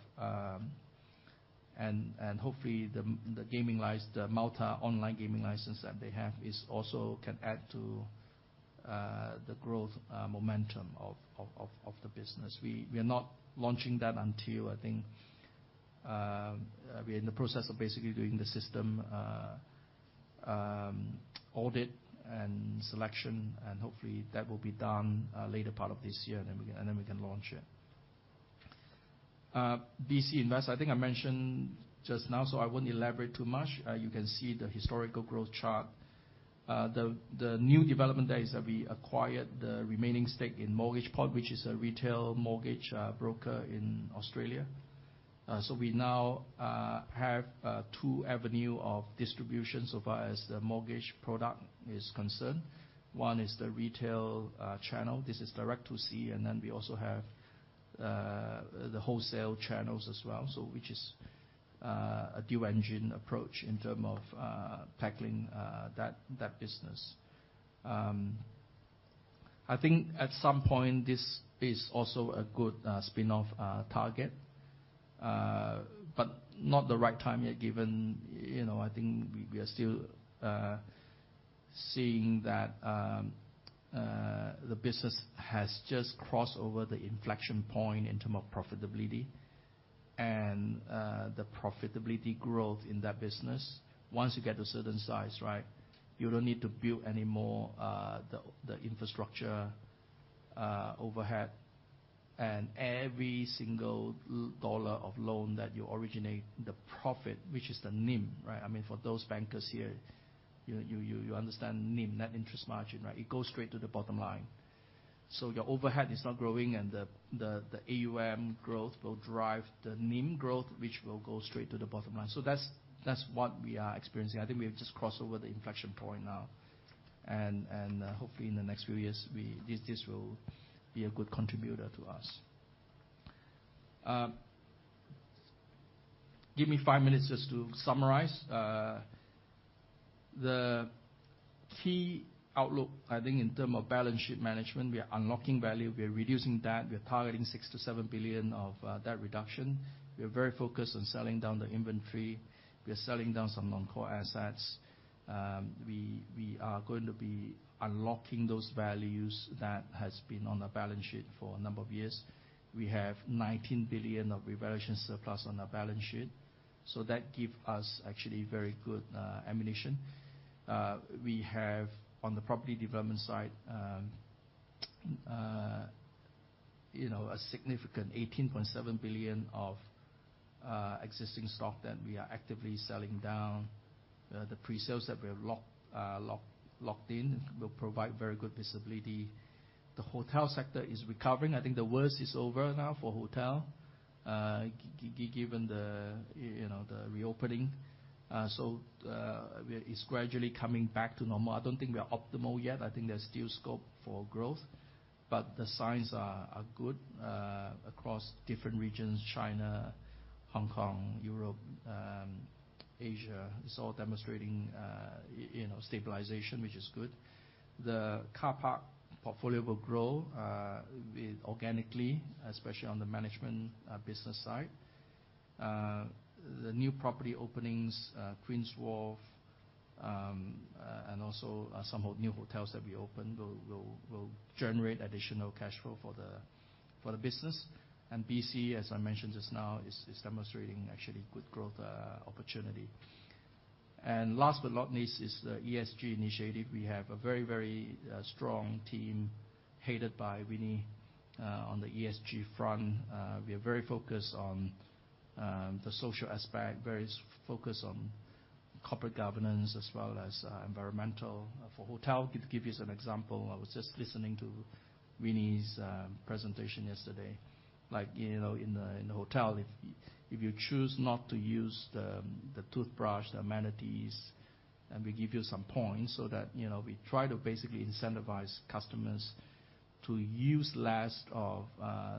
And hopefully, the gaming license, the Malta online gaming license that they have is also can add to the growth momentum of the business. We are not launching that until I think, we're in the process of basically doing the system audit and selection. Hopefully, that will be done later part of this year. Then we can launch it. BC Invest, I think I mentioned just now, I wouldn't elaborate too much. You can see the historical growth chart. The new development there is that we acquired the remaining stake in Mortgageport, which is a retail mortgage broker in Australia. We now have two avenue of distribution so far as the mortgage product is concerned. One is the retail channel. This is direct to C. We also have the wholesale channels as well, which is a dual engine approach in term of tackling that business. I think at some point, this is also a good spin-off target. Not the right time yet, given, you know, I think we are still seeing that the business has just crossed over the inflection point in term of profitability and the profitability growth in that business. Once you get to a certain size, right, you don't need to build any more the infrastructure overhead. Every single dollar of loan that you originate, the profit, which is the NIM, right? I mean, for those bankers here, you understand NIM, net interest margin, right? It goes straight to the bottom line. Your overhead is not growing, and the AUM growth will drive the NIM growth, which will go straight to the bottom line. That's what we are experiencing. I think we have just crossed over the inflection point now. Hopefully, in the next few years, this will be a good contributor to us. Give me five minutes just to summarize. The key outlook, I think, in term of balance sheet management, we are unlocking value, we are reducing debt. We are targeting 6 billion-7 billion of debt reduction. We are very focused on selling down the inventory. We are selling down some non-core assets. We are going to be unlocking those values that has been on the balance sheet for a number of years. We have 19 billion of revaluation surplus on our balance sheet, that give us actually very good ammunition. We have, on the property development side, you know, a significant 18.7 billion of existing stock that we are actively selling down. The presales that we have locked in will provide very good visibility. The hotel sector is recovering. I think the worst is over now for hotel, given the, you know, the reopening. It's gradually coming back to normal. I don't think we are optimal yet. I think there's still scope for growth, but the signs are good across different regions, China, Hong Kong, Europe, Asia. It's all demonstrating, you know, stabilization, which is good. The car park portfolio will grow organically, especially on the management business side. The new property openings, Queens Wharf, and also, new hotels that we opened will generate additional cash flow for the business. BC, as I mentioned just now, is demonstrating actually good growth opportunity. Last but not least, is the ESG initiative. We have a very strong team, headed by Winnie, on the ESG front. We are very focused on the social aspect, very focused on corporate governance as well as environmental. For hotel, to give you some example, I was just listening to Winnie's presentation yesterday. Like, you know, in the hotel, if you choose not to use the toothbrush, the amenities, we give you some points so that, you know, we try to basically incentivize customers to use less of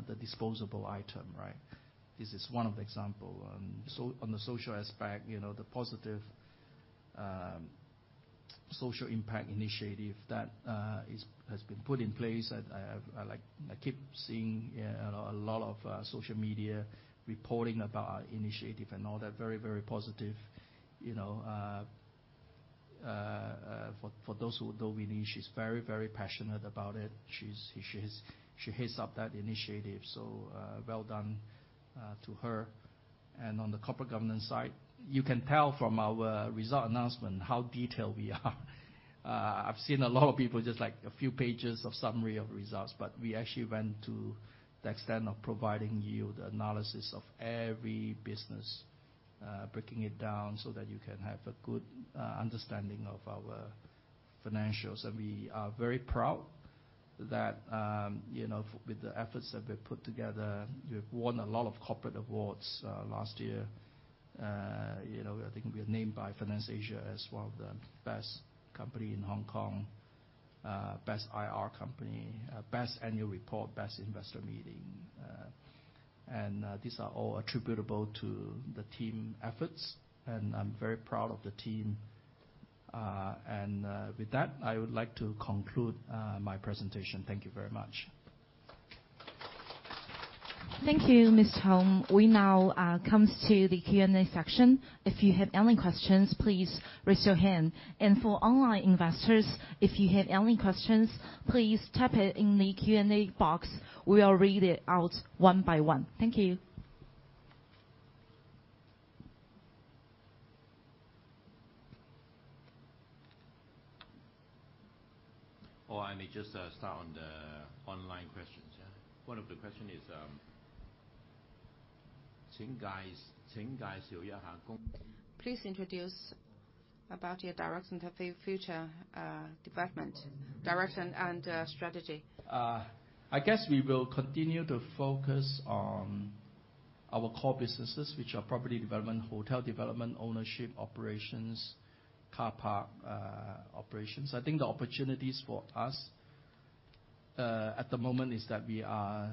the disposable item, right? This is one of the example. On the social aspect, you know, the positive social impact initiative that has been put in place, I like, I keep seeing a lot of social media reporting about our initiative and all that, very, very positive. You know, for those who know Winnie, she's very, very passionate about it. She heads up that initiative, well done to her. On the corporate governance side, you can tell from our result announcement how detailed we are. I've seen a lot of people, just like a few pages of summary of results, but we actually went to the extent of providing you the analysis of every business, breaking it down so that you can have a good understanding of our financials. We are very proud that, you know, with the efforts that we've put together, we've won a lot of corporate awards last year. You know, I think we were named by FinanceAsia as one of the best company in Hong Kong, best IR company, best annual report, best investor meeting. These are all attributable to the team efforts, and I'm very proud of the team. With that, I would like to conclude my presentation. Thank you very much. Thank you, Mr. Hoong. We now comes to the Q&A section. If you have any questions, please raise your hand. For online investors, if you have any questions, please type it in the Q&A box. We will read it out one by one. Thank you. I may just start on the online questions, yeah? One of the question is. Please introduce about your direction for future, development, direction and strategy. I guess we will continue to focus on our core businesses, which are property development, hotel development, ownership, operations, car park operations. I think the opportunities for us at the moment, is that we are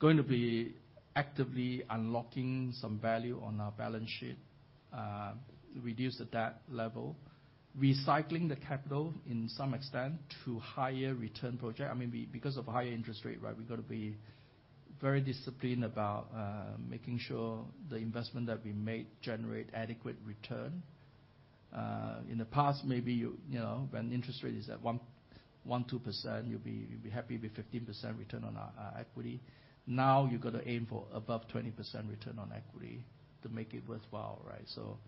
going to be actively unlocking some value on our balance sheet, reduce the debt level, recycling the capital in some extent to higher return project. I mean, because of higher interest rate, right? We've got to be very disciplined about making sure the investment that we make generate adequate return. In the past, maybe you know, when interest rate is at 1%, 2%, you'll be happy with 15% return on equity. Now, you've got to aim for above 20% return on equity to make it worthwhile, right? So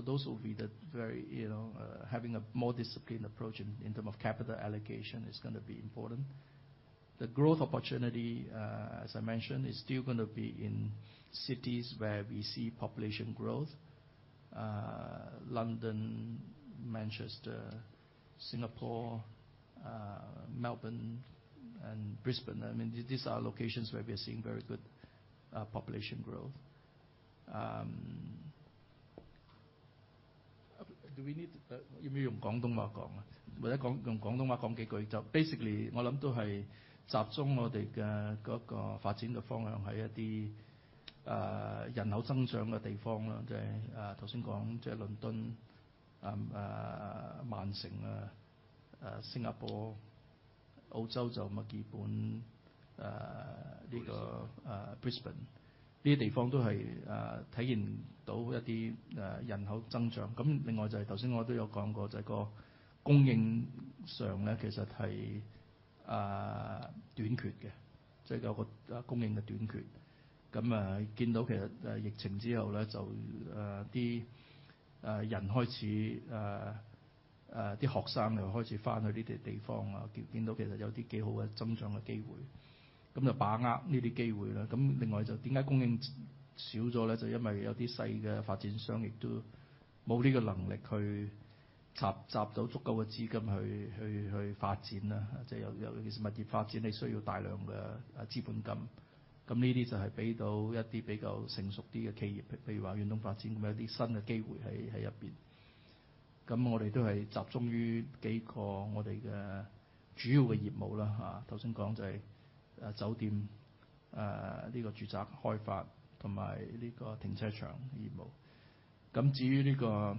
those will be the very, you know. Having a more disciplined approach in term of capital allocation is gonna be important. The growth opportunity, as I mentioned, is still gonna be in cities where we see population growth, London, Manchester, Singapore, Melbourne and Brisbane. I mean, these are locations where we are seeing very good population growth. Do we need to. 人口增长的地 方， 就是刚才 讲， 就是伦 敦， 曼 城， 新加 坡， 澳洲就墨尔 本， 这个 Brisbane。这些地方都是体验到一些人口增长。另外就是刚才我都有说 过， 就是个供应上 呢， 其实是短缺 的， 就是有个供应的短缺。见到其实疫情之后 呢， 就那些人开始学生又开始回去这些地方 了， 见到其实有些挺好的增长的机 会， 就把握这些机会了。另外就为什么供应少了 呢？ 就因为有些小的发展商也都没有这个能力去集到足够的资金去发 展， 就是尤其是物业发 展， 你需要大量的资本金，这些就是给到一些比较成熟点的企 业， 譬如说远东发 展， 一些新的机会在里面。我们都是集中于几个我们的主要的业务 啦， 哈， 刚才讲就是酒 店， 这个住宅开发和这个停车场业务。至于这 个，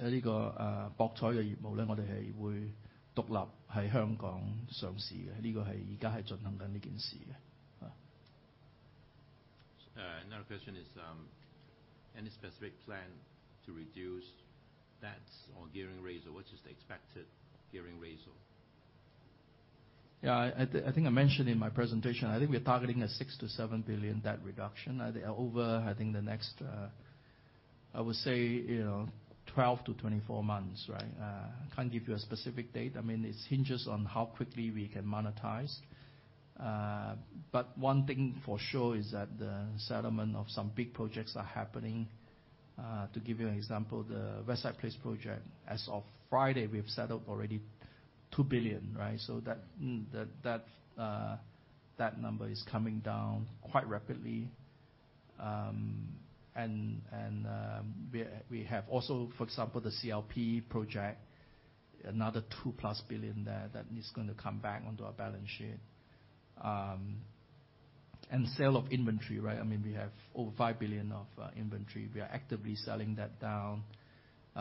这个博彩的业务 呢， 我们是会独立在香港上市 的， 这个是现在是进行着这件事的。Another question is, any specific plan to reduce debts or gearing ratio? What is the expected gearing ratio? I think I mentioned in my presentation, I think we are targeting a 6 billion-7 billion debt reduction over, I think, the next, I would say, you know, 12 to 24 months, right? Can't give you a specific date. I mean, it hinges on how quickly we can monetize. One thing for sure is that the settlement of some big projects are happening. To give you an example, the West Side Place project, as of Friday, we've settled already 2 billion, right? That number is coming down quite rapidly. We have also, for example, the CLP project, another 2+ billion there that is going to come back onto our balance sheet. Sale of inventory, right? I mean, we have over 5 billion of inventory. We are actively selling that down.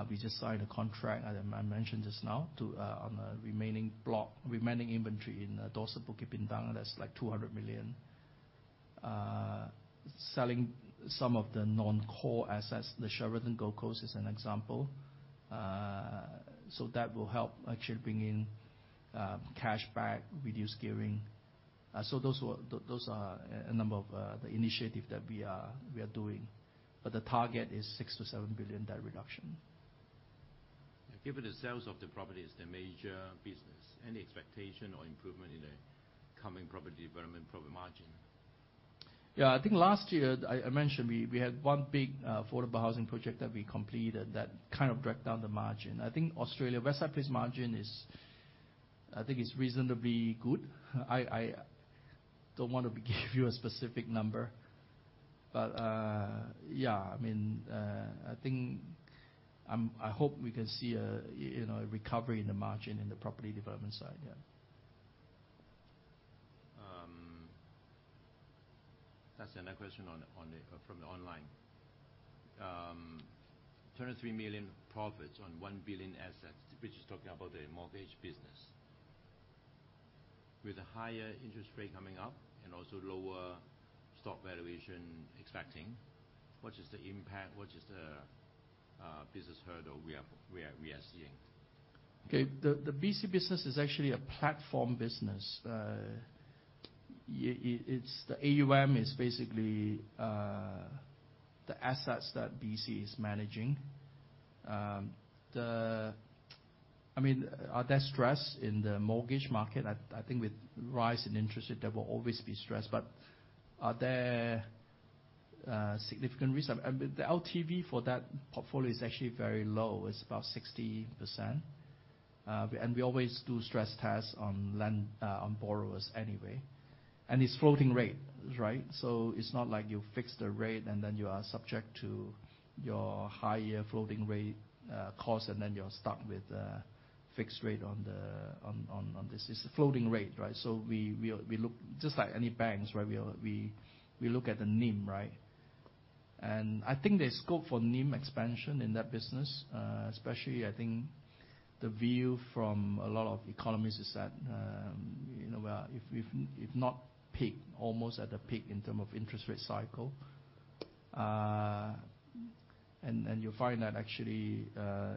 We just signed a contract, as I mentioned just now, to on the remaining block, remaining inventory in Dorsett Bukit Bintang, that's like 200 million. Selling some of the non-core assets, the Sheraton Gold Coast is an example. That will help actually bring in cash back, reduce gearing. Those are a number of the initiative that we are doing, but the target is 6 billion-7 billion debt reduction. Given the sales of the property is the major business, any expectation or improvement in the coming property development, property margin? Yeah, I think last year, I mentioned we had one big affordable housing project that we completed that kind of dragged down the margin. I think Australia, West Side Place margin is, I think it's reasonably good. I don't want to give you a specific number, yeah, I mean, I think, I hope we can see a, you know, a recovery in the margin in the property development side. Yeah. That's another question from the online. 33 million profits on 1 billion assets, which is talking about the mortgage business. With a higher interest rate coming up and also lower stock valuation expecting, what is the impact? What is the business hurdle we are seeing? The BC business is actually a platform business. It's the AUM is basically the assets that BC is managing. I mean, are there stress in the mortgage market? I think with rise in interest rates, there will always be stress. Are there significant risk? I mean, the LTV for that portfolio is actually very low. It's about 60%. We always do stress tests on borrowers anyway. It's floating rate, right? It's not like you fix the rate you are subject to your higher floating rate cost, you're stuck with fixed rate on this. It's a floating rate, right? We look just like any banks, right? We look at the NIM, right? I think there's scope for NIM expansion in that business. Especially, I think the view from a lot of economists is that, you know, we are, if not peak, almost at the peak in term of interest rate cycle. You'll find that actually,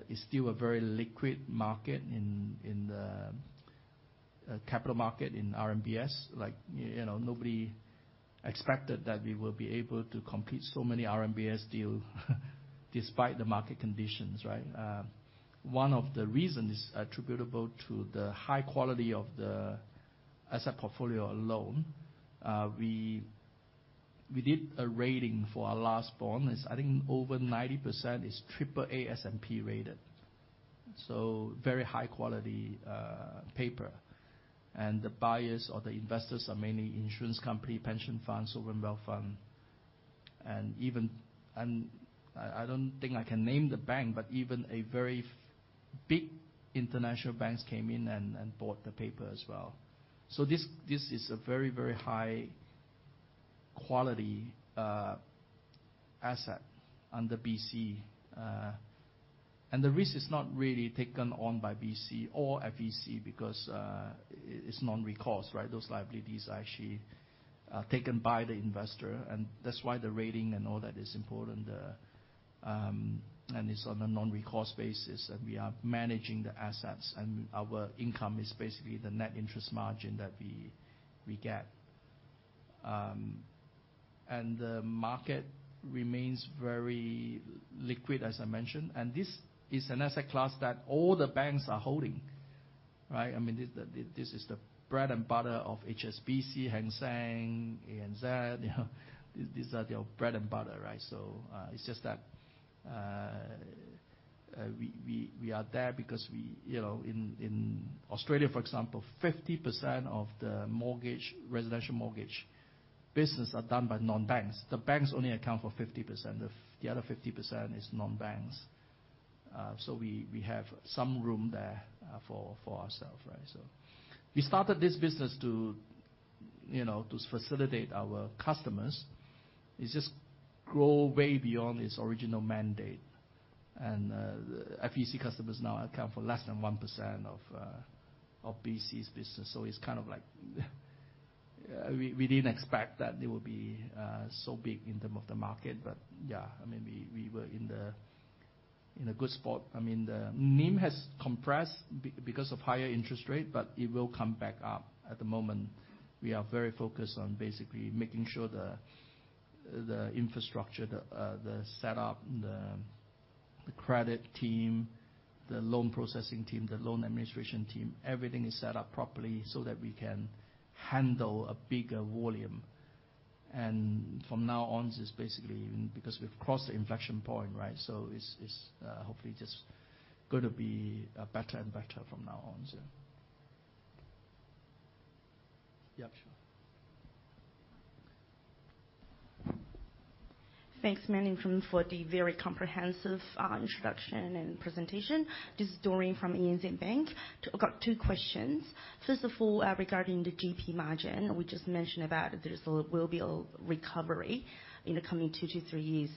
it's still a very liquid market in the capital market in RMBS. Like, you know, nobody expected that we would be able to complete so many RMBS deal despite the market conditions, right? One of the reasons is attributable to the high quality of the asset portfolio loan. We did a rating for our last bond. It's, I think, over 90% is Triple A S&P rated. So very high quality paper. And the buyers or the investors are mainly insurance company, pension funds, sovereign wealth fund. Even, I don't think I can name the bank, but even a very big international banks came in and bought the paper as well. This is a very, very high quality asset under BC. The risk is not really taken on by BC or FEC, because it's non-recourse, right? Those liabilities are actually taken by the investor, and that's why the rating and all that is important. It's on a non-recourse basis, and we are managing the assets, and our income is basically the net interest margin that we get. The market remains very liquid, as I mentioned. This is an asset class that all the banks are holding, right? I mean, this is the bread and butter of HSBC, Hang Seng, ANZ, you know, these are their bread and butter, right? It's just that we are there because we, you know, in Australia, for example, 50% of the mortgage, residential mortgage business are done by non-banks. The banks only account for 50%. The other 50% is non-banks. We have some room there for ourself, right? We started this business to, you know, to facilitate our customers. It's just grow way beyond its original mandate. The FEC customers now account for less than 1% of BC's business. It's kind of like we didn't expect that they would be so big in term of the market. Yeah, I mean, we were in the, in a good spot. I mean, the NIM has compressed because of higher interest rate, but it will come back up. At the moment, we are very focused on basically making sure the infrastructure, the setup, the credit team, the loan processing team, the loan administration team, everything is set up properly so that we can handle a bigger volume. From now on, it's basically even because we've crossed the inflection point, right? It's, hopefully just gonna be better and better from now on. Yep, sure. Thanks, Manny, for the very comprehensive introduction and presentation. This is Doreen from ANZ Bank. I've got two questions. First of all, regarding the GP margin, we just mentioned about there will be a recovery in the coming two to three years.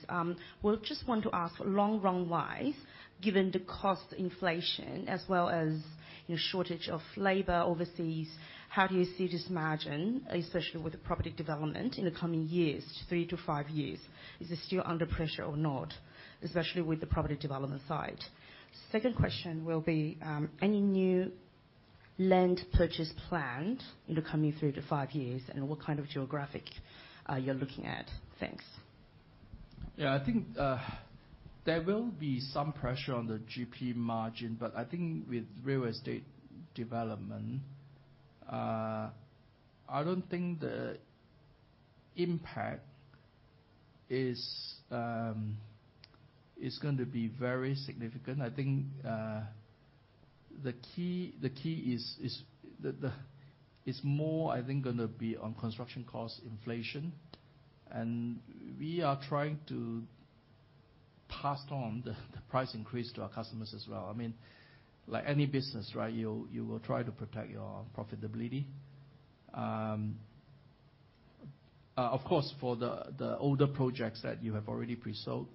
We'll just want to ask, long run-wise, given the cost inflation as well as, you know, shortage of labor overseas, how do you see this margin, especially with the property development in the coming years, three to five years? Is it still under pressure or not, especially with the property development side? Second question will be, any new land purchase planned in the coming three to five years, and what kind of geographic you're looking at? Thanks. I think, there will be some pressure on the GP margin. I think with real estate development, I don't think the impact is going to be very significant. I think, the key is, it's more, I think, gonna be on construction cost inflation. We are trying to pass on the price increase to our customers as well. I mean, like any business, right, you will try to protect your profitability. Of course, for the older projects that you have already pre-sold,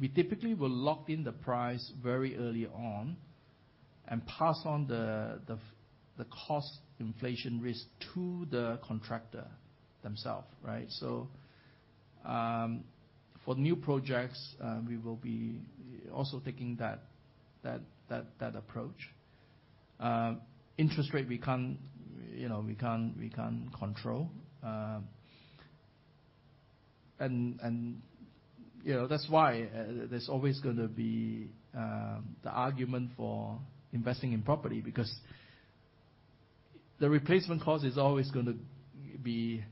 we typically will lock in the price very early on and pass on the cost inflation risk to the contractor themselves, right. For new projects, we will be also taking that approach. Interest rate, we can't, you know, we can't, we can't control. You know, that's why there's always gonna be the argument for investing in property, because the replacement cost is always gonna be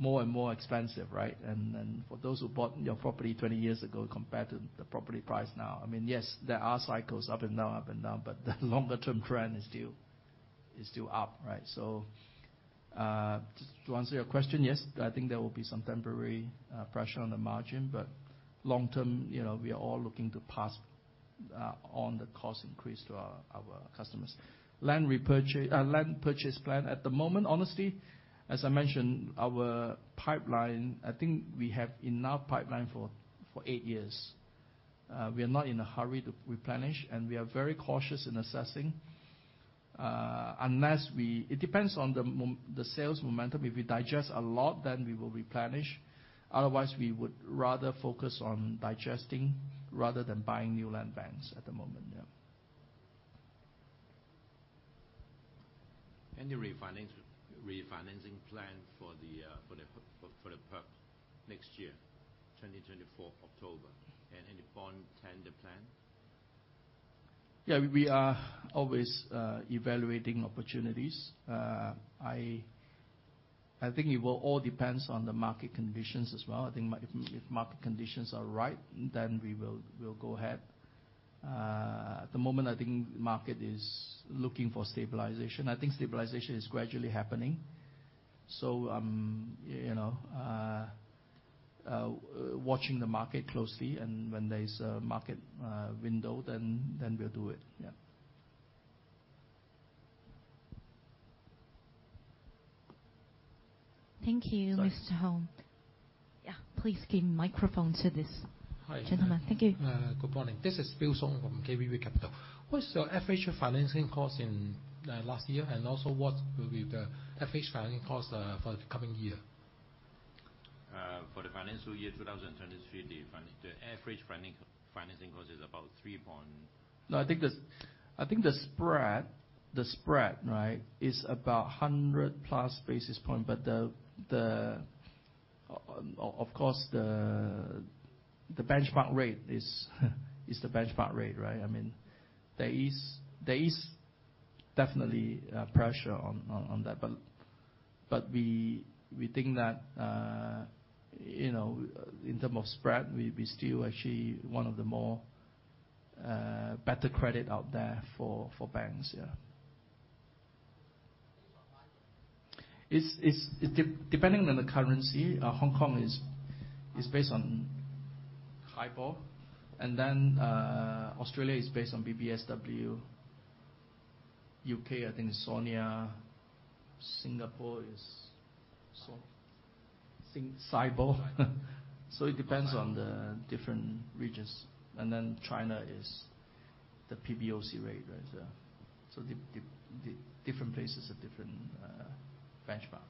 more and more expensive, right? Then, for those who bought your property 20 years ago compared to the property price now, I mean, yes, there are cycles up and down, up and down, but the longer term trend is still up, right? To answer your question, yes, I think there will be some temporary pressure on the margin, but long term, you know, we are all looking to pass on the cost increase to our customers. Land purchase plan. At the moment, honestly, as I mentioned, our pipeline, I think we have enough pipeline for eight years. We are not in a hurry to replenish, and we are very cautious in assessing. It depends on the sales momentum. If we digest a lot, we will replenish. Otherwise, we would rather focus on digesting rather than buying new land banks at the moment. Yeah. Any refinancing plan for the perk next year, 2024, October, and any bond tender plan? We are always evaluating opportunities. I think it will all depends on the market conditions as well. I think if market conditions are right, then we'll go ahead. At the moment, I think the market is looking for stabilization. I think stabilization is gradually happening. You know, watching the market closely, and when there is a market window, then we'll do it. Yeah. Thank you, Mr. Hoong. Sorry. Yeah. Please give microphone to this- Hi. Gentleman. Thank you. Good morning. This is Phil Song from KBW Capital. What's your average financing cost in last year? Also, what will be the average financing cost for the coming year? For the financial year 2023, the average financing cost is about. No, I think the spread, right, is about 100+ basis points. Of course, the benchmark rate is the benchmark rate, right? I mean, there is definitely pressure on that. We think that, you know, in terms of spread, we still actually one of the more better credit out there for banks. Yeah. It's depending on the currency. Hong Kong is based on HIBOR, and then Australia is based on BBSW. UK, I think, is SONIA. Singapore is SIBOR. It depends on the different regions. China is the PBOC rate, right? The different places have different benchmark.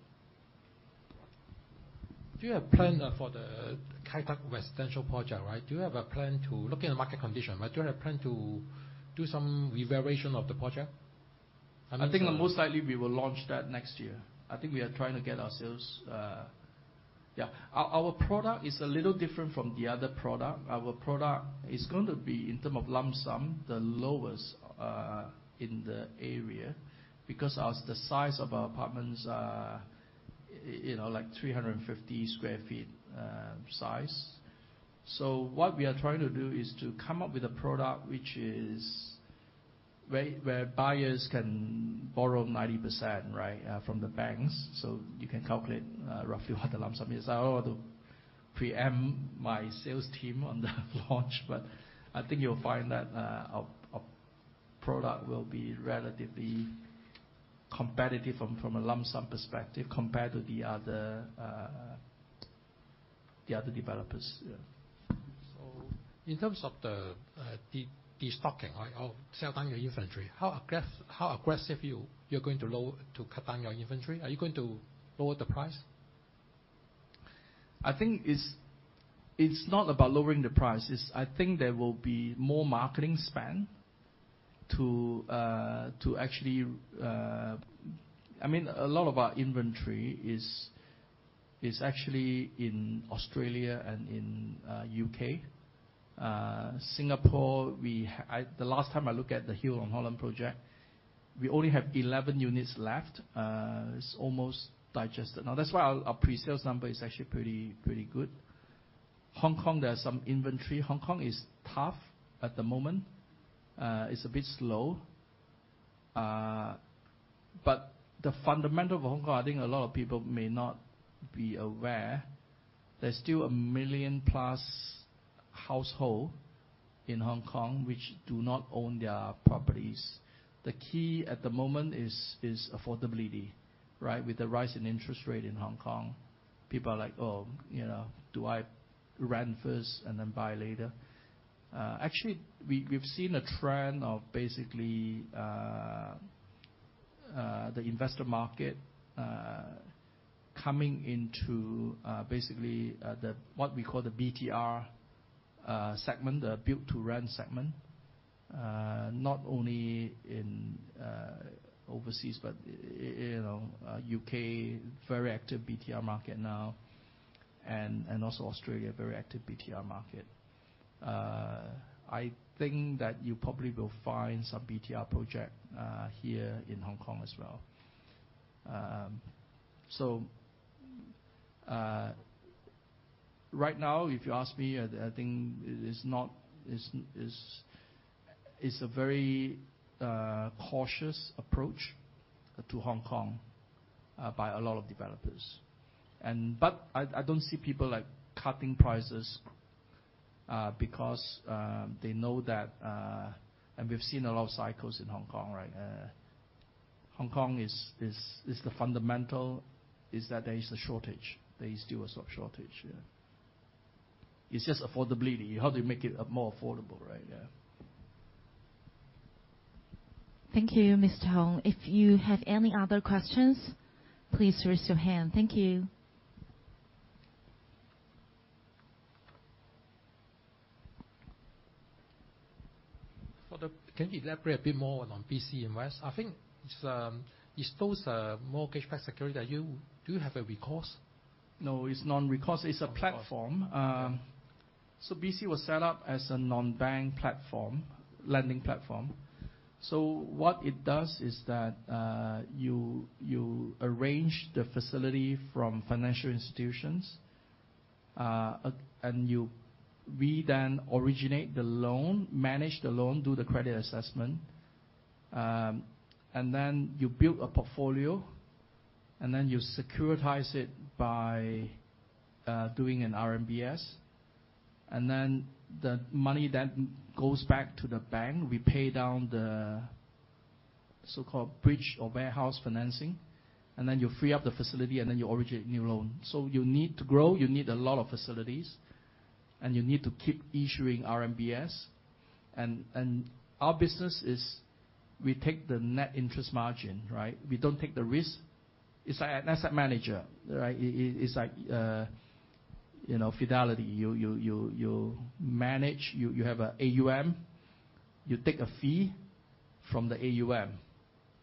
Do you have plan for the Kai Tak residential project, right? Looking at market condition, right, do you have a plan to do some revaluation of the project? I mean. I think the most likely we will launch that next year. I think we are trying to get ourselves. Yeah. Our product is a little different from the other product. Our product is going to be, in terms of lump sum, the lowest in the area, because as the size of our apartments are, you know, like 350 sq ft size. What we are trying to do is to come up with a product which is where buyers can borrow 90%, right, from the banks. You can calculate roughly what the lump sum is. I don't want to pre-empt my sales team on the launch, but I think you'll find that our product will be relatively competitive from a lump sum perspective compared to the other developers. Yeah. In terms of the destocking, right, or sell down your inventory, how aggressive you're going to cut down your inventory? Are you going to lower the price? I think it's not about lowering the price. I think there will be more marketing spend to actually. I mean, a lot of our inventory is actually in Australia and in U.K. Singapore, the last time I looked at the Hill on Holland project, we only have 11 units left. It's almost digested. Now, that's why our pre-sales number is actually pretty good. Hong Kong, there are some inventory. Hong Kong is tough at the moment. It's a bit slow. The fundamental of Hong Kong, I think a lot of people may not be aware, there's still a 1 million-plus household in Hong Kong which do not own their properties. The key at the moment is affordability, right? With the rise in interest rate in Hong Kong, people are like: "Oh, you know, do I rent first and then buy later?" Actually, we've seen a trend of basically, the investor market, coming into, basically, the what we call the BTR segment, the built-to-rent segment. Not only in overseas, but you know, UK, very active BTR market now, also Australia, very active BTR market. I think that you probably will find some BTR project here in Hong Kong as well. Right now, if you ask me, I think it is not. It's a very cautious approach to Hong Kong by a lot of developers. I don't see people, like, cutting prices, because they know that... We've seen a lot of cycles in Hong Kong, right? Hong Kong is the fundamental, is that there is a shortage. There is still a shortage, yeah. It's just affordability. How do you make it more affordable, right? Yeah. Thank you, Mr. Hoong. If you have any other questions, please raise your hand. Thank you. Can you elaborate a bit more on BC Invest? I think it's, it stores more cash back security. Do you have a recourse? No, it's non-recourse. It's a platform. BC was set up as a non-bank platform, lending platform. What it does is that you arrange the facility from financial institutions, and we then originate the loan, manage the loan, do the credit assessment. Then you build a portfolio, and then you securitize it by doing an RMBS. The money then goes back to the bank. We pay down the so-called bridge or warehouse financing, then you free up the facility, and then you originate a new loan. You need to grow, you need a lot of facilities, and you need to keep issuing RMBS. Our business is we take the net interest margin, right? We don't take the risk. It's like an asset manager, right? It's like, you know, Fidelity. You manage, you have a AUM. You take a fee from the AUM.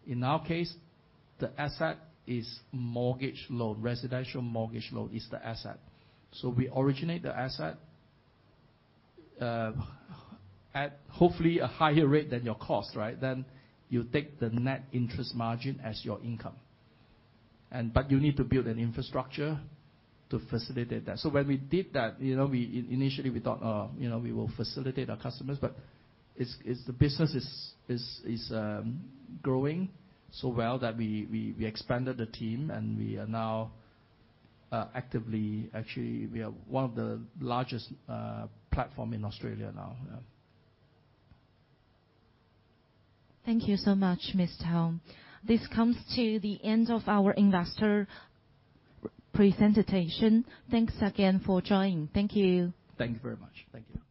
In our case, the asset is mortgage loan. Residential mortgage loan is the asset. We originate the asset at hopefully a higher rate than your cost, right? You take the net interest margin as your income. You need to build an infrastructure to facilitate that. When we did that, you know, initially, we thought, you know, we will facilitate our customers, but the business is growing so well that we expanded the team. We are now actually, we are one of the largest platform in Australia now. Yeah. Thank you so much, Mr. Hoong. This comes to the end of our investor presentation. Thanks again for joining. Thank you. Thank you very much. Thank you.